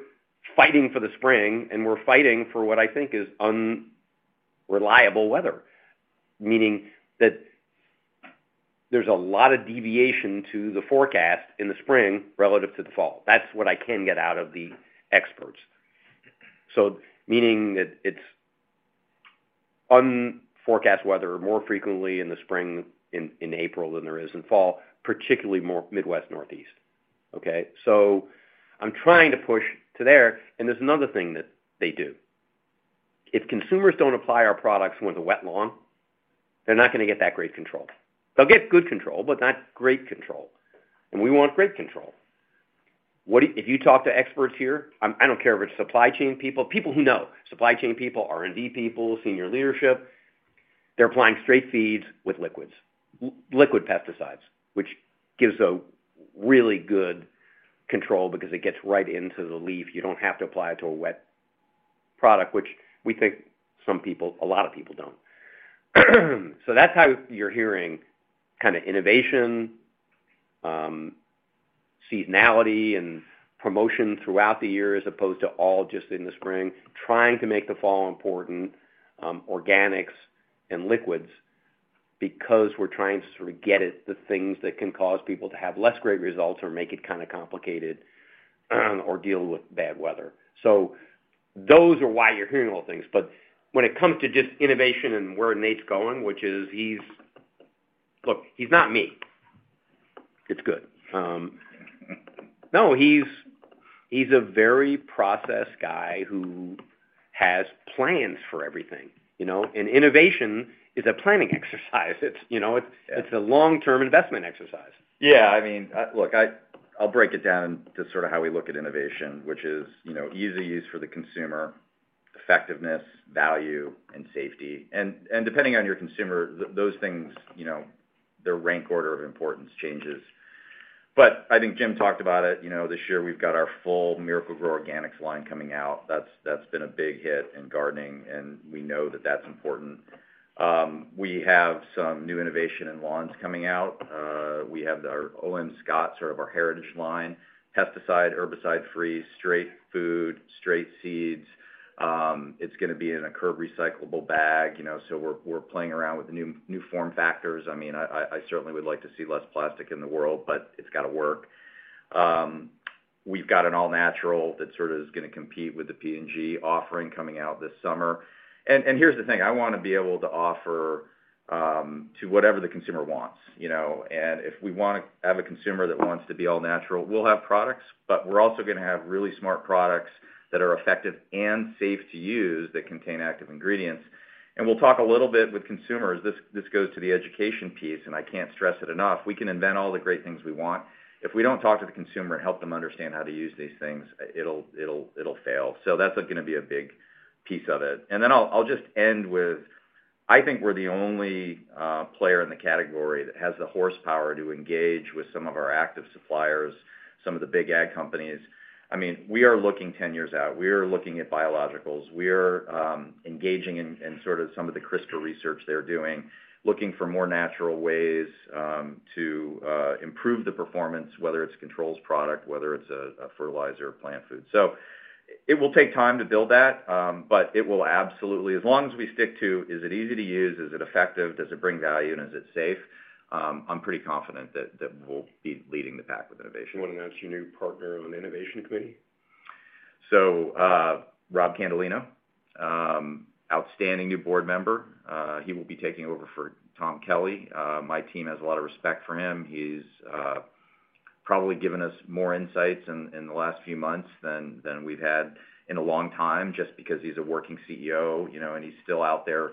[SPEAKER 2] fighting for the spring, and we're fighting for what I think is unreliable weather, meaning that there's a lot of deviation to the forecast in the spring relative to the fall. That's what I can get out of the experts. So meaning that it's unforecast weather more frequently in the spring in April than there is in fall, particularly Midwest, Northeast. Okay? So I'm trying to push to there. And there's another thing that they do. If consumers don't apply our products when it's a wet lawn, they're not going to get that great control. They'll get good control, but not great control. And we want great control. If you talk to experts here, I don't care if it's supply chain people, people who know, supply chain people, R&D people, senior leadership, they're applying straight feeds with liquids, liquid pesticides, which gives a really good control because it gets right into the leaf. You don't have to apply it to a wet product, which we think some people, a lot of people don't. So that's how you're hearing kind of innovation, seasonality, and promotion throughout the year as opposed to all just in the spring, trying to make the fall important, organics and liquids because we're trying to sort of get at the things that can cause people to have less great results or make it kind of complicated or deal with bad weather. So those are why you're hearing all things. But when it comes to just innovation and where Nate's going, which is, look, he's not me. It's good. No, he's a very process guy who has plans for everything. And innovation is a planning exercise. It's a long-term investment exercise.
[SPEAKER 6] Yeah. I mean, look, I'll break it down to sort of how we look at innovation, which is easy use for the consumer, effectiveness, value, and safety. And depending on your consumer, those things, their rank order of importance changes. But I think Jim talked about it. This year, we've got our full Miracle-Gro Organics line coming out. That's been a big hit in gardening, and we know that that's important. We have some new innovation in lawns coming out. We have our O.M. Scott, sort of our heritage line, pesticide, herbicide-free, straight food, straight seeds. It's going to be in a curb recyclable bag. So we're playing around with new form factors. I mean, I certainly would like to see less plastic in the world, but it's got to work. We've got an all-natural that sort of is going to compete with the P&G offering coming out this summer. And here's the thing. I want to be able to offer to whatever the consumer wants. And if we want to have a consumer that wants to be all-natural, we'll have products, but we're also going to have really smart products that are effective and safe to use that contain active ingredients. And we'll talk a little bit with consumers. This goes to the education piece, and I can't stress it enough. We can invent all the great things we want. If we don't talk to the consumer and help them understand how to use these things, it'll fail. So that's going to be a big piece of it. And then I'll just end with, I think we're the only player in the category that has the horsepower to engage with some of our active suppliers, some of the big ag companies. I mean, we are looking 10 years out. We are looking at biologicals. We are engaging in sort of some of the CRISPR research they're doing, looking for more natural ways to improve the performance, whether it's a controls product, whether it's a fertilizer or plant food, so it will take time to build that, but it will absolutely, as long as we stick to, is it easy to use? Is it effective? Does it bring value? And is it safe? I'm pretty confident that we'll be leading the pack with innovation.
[SPEAKER 2] You want to announce your new partner on the innovation committee?
[SPEAKER 6] So, Rob Candelino, outstanding new board member. He will be taking over for Tom Kelly. My team has a lot of respect for him. He's probably given us more insights in the last few months than we've had in a long time just because he's a working CEO, and he's still out there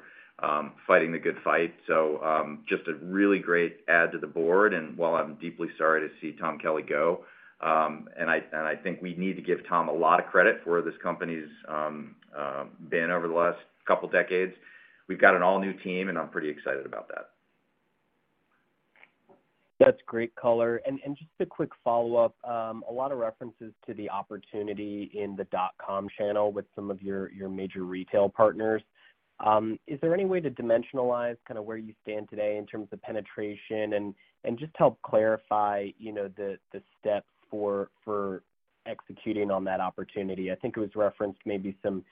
[SPEAKER 6] fighting the good fight. So just a really great add to the board. And while I'm deeply sorry to see Tom Kelly go, and I think we need to give Tom a lot of credit for this company's been over the last couple of decades, we've got an all-new team, and I'm pretty excited about that.
[SPEAKER 11] That's great color. And just a quick follow-up, a lot of references to the opportunity in the dot-com channel with some of your major retail partners. Is there any way to dimensionalize kind of where you stand today in terms of penetration and just help clarify the steps for executing on that opportunity? I think it was referenced maybe some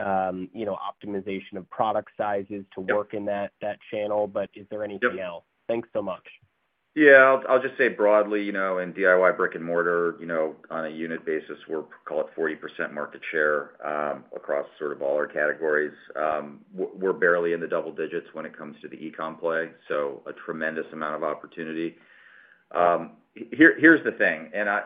[SPEAKER 11] optimization of product sizes to work in that channel, but is there anything else? Thanks so much.
[SPEAKER 6] Yeah. I'll just say broadly, in DIY brick and mortar, on a unit basis, we'll call it 40% market share across sort of all our categories. We're barely in the double digits when it comes to the e-com play, so a tremendous amount of opportunity. Here's the thing, and I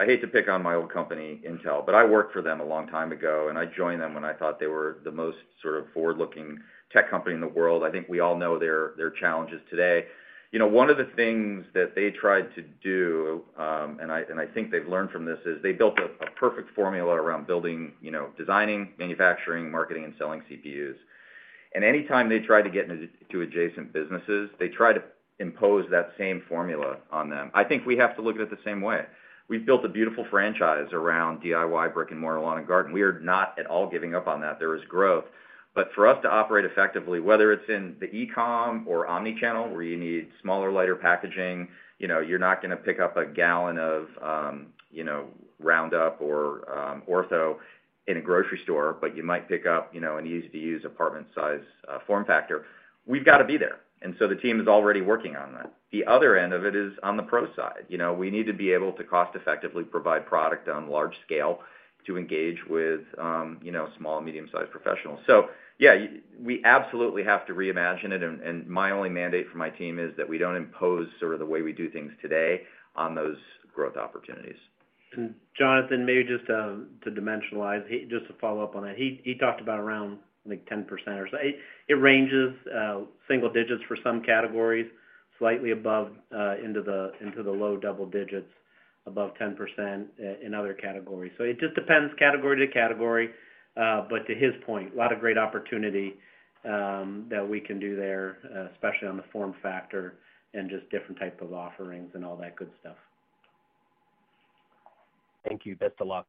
[SPEAKER 6] hate to pick on my old company, Intel, but I worked for them a long time ago, and I joined them when I thought they were the most sort of forward-looking tech company in the world. I think we all know their challenges today. One of the things that they tried to do, and I think they've learned from this, is they built a perfect formula around designing, manufacturing, marketing, and selling CPUs, and anytime they tried to get into adjacent businesses, they tried to impose that same formula on them. I think we have to look at it the same way. We've built a beautiful franchise around DIY brick and mortar lawn and garden. We are not at all giving up on that. There is growth. But for us to operate effectively, whether it's in the e-com or omnichannel where you need smaller, lighter packaging, you're not going to pick up a gallon of Roundup or Ortho in a grocery store, but you might pick up an easy-to-use apartment-size form factor. We've got to be there. And so the team is already working on that. The other end of it is on the pro side. We need to be able to cost-effectively provide product on large scale to engage with small and medium-sized professionals. So yeah, we absolutely have to reimagine it. My only mandate for my team is that we don't impose sort of the way we do things today on those growth opportunities.
[SPEAKER 3] Jonathan, maybe just to dimensionalize, just to follow up on that, he talked about around 10% or so. It ranges single digits for some categories, slightly above into the low double digits, above 10% in other categories. So it just depends category to category. But to his point, a lot of great opportunity that we can do there, especially on the form factor and just different types of offerings and all that good stuff.
[SPEAKER 11] Thank you. Best of luck.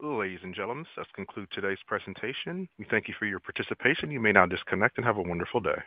[SPEAKER 4] Ladies and gentlemen, this concludes today's presentation. We thank you for your participation. You may now disconnect and have a wonderful day.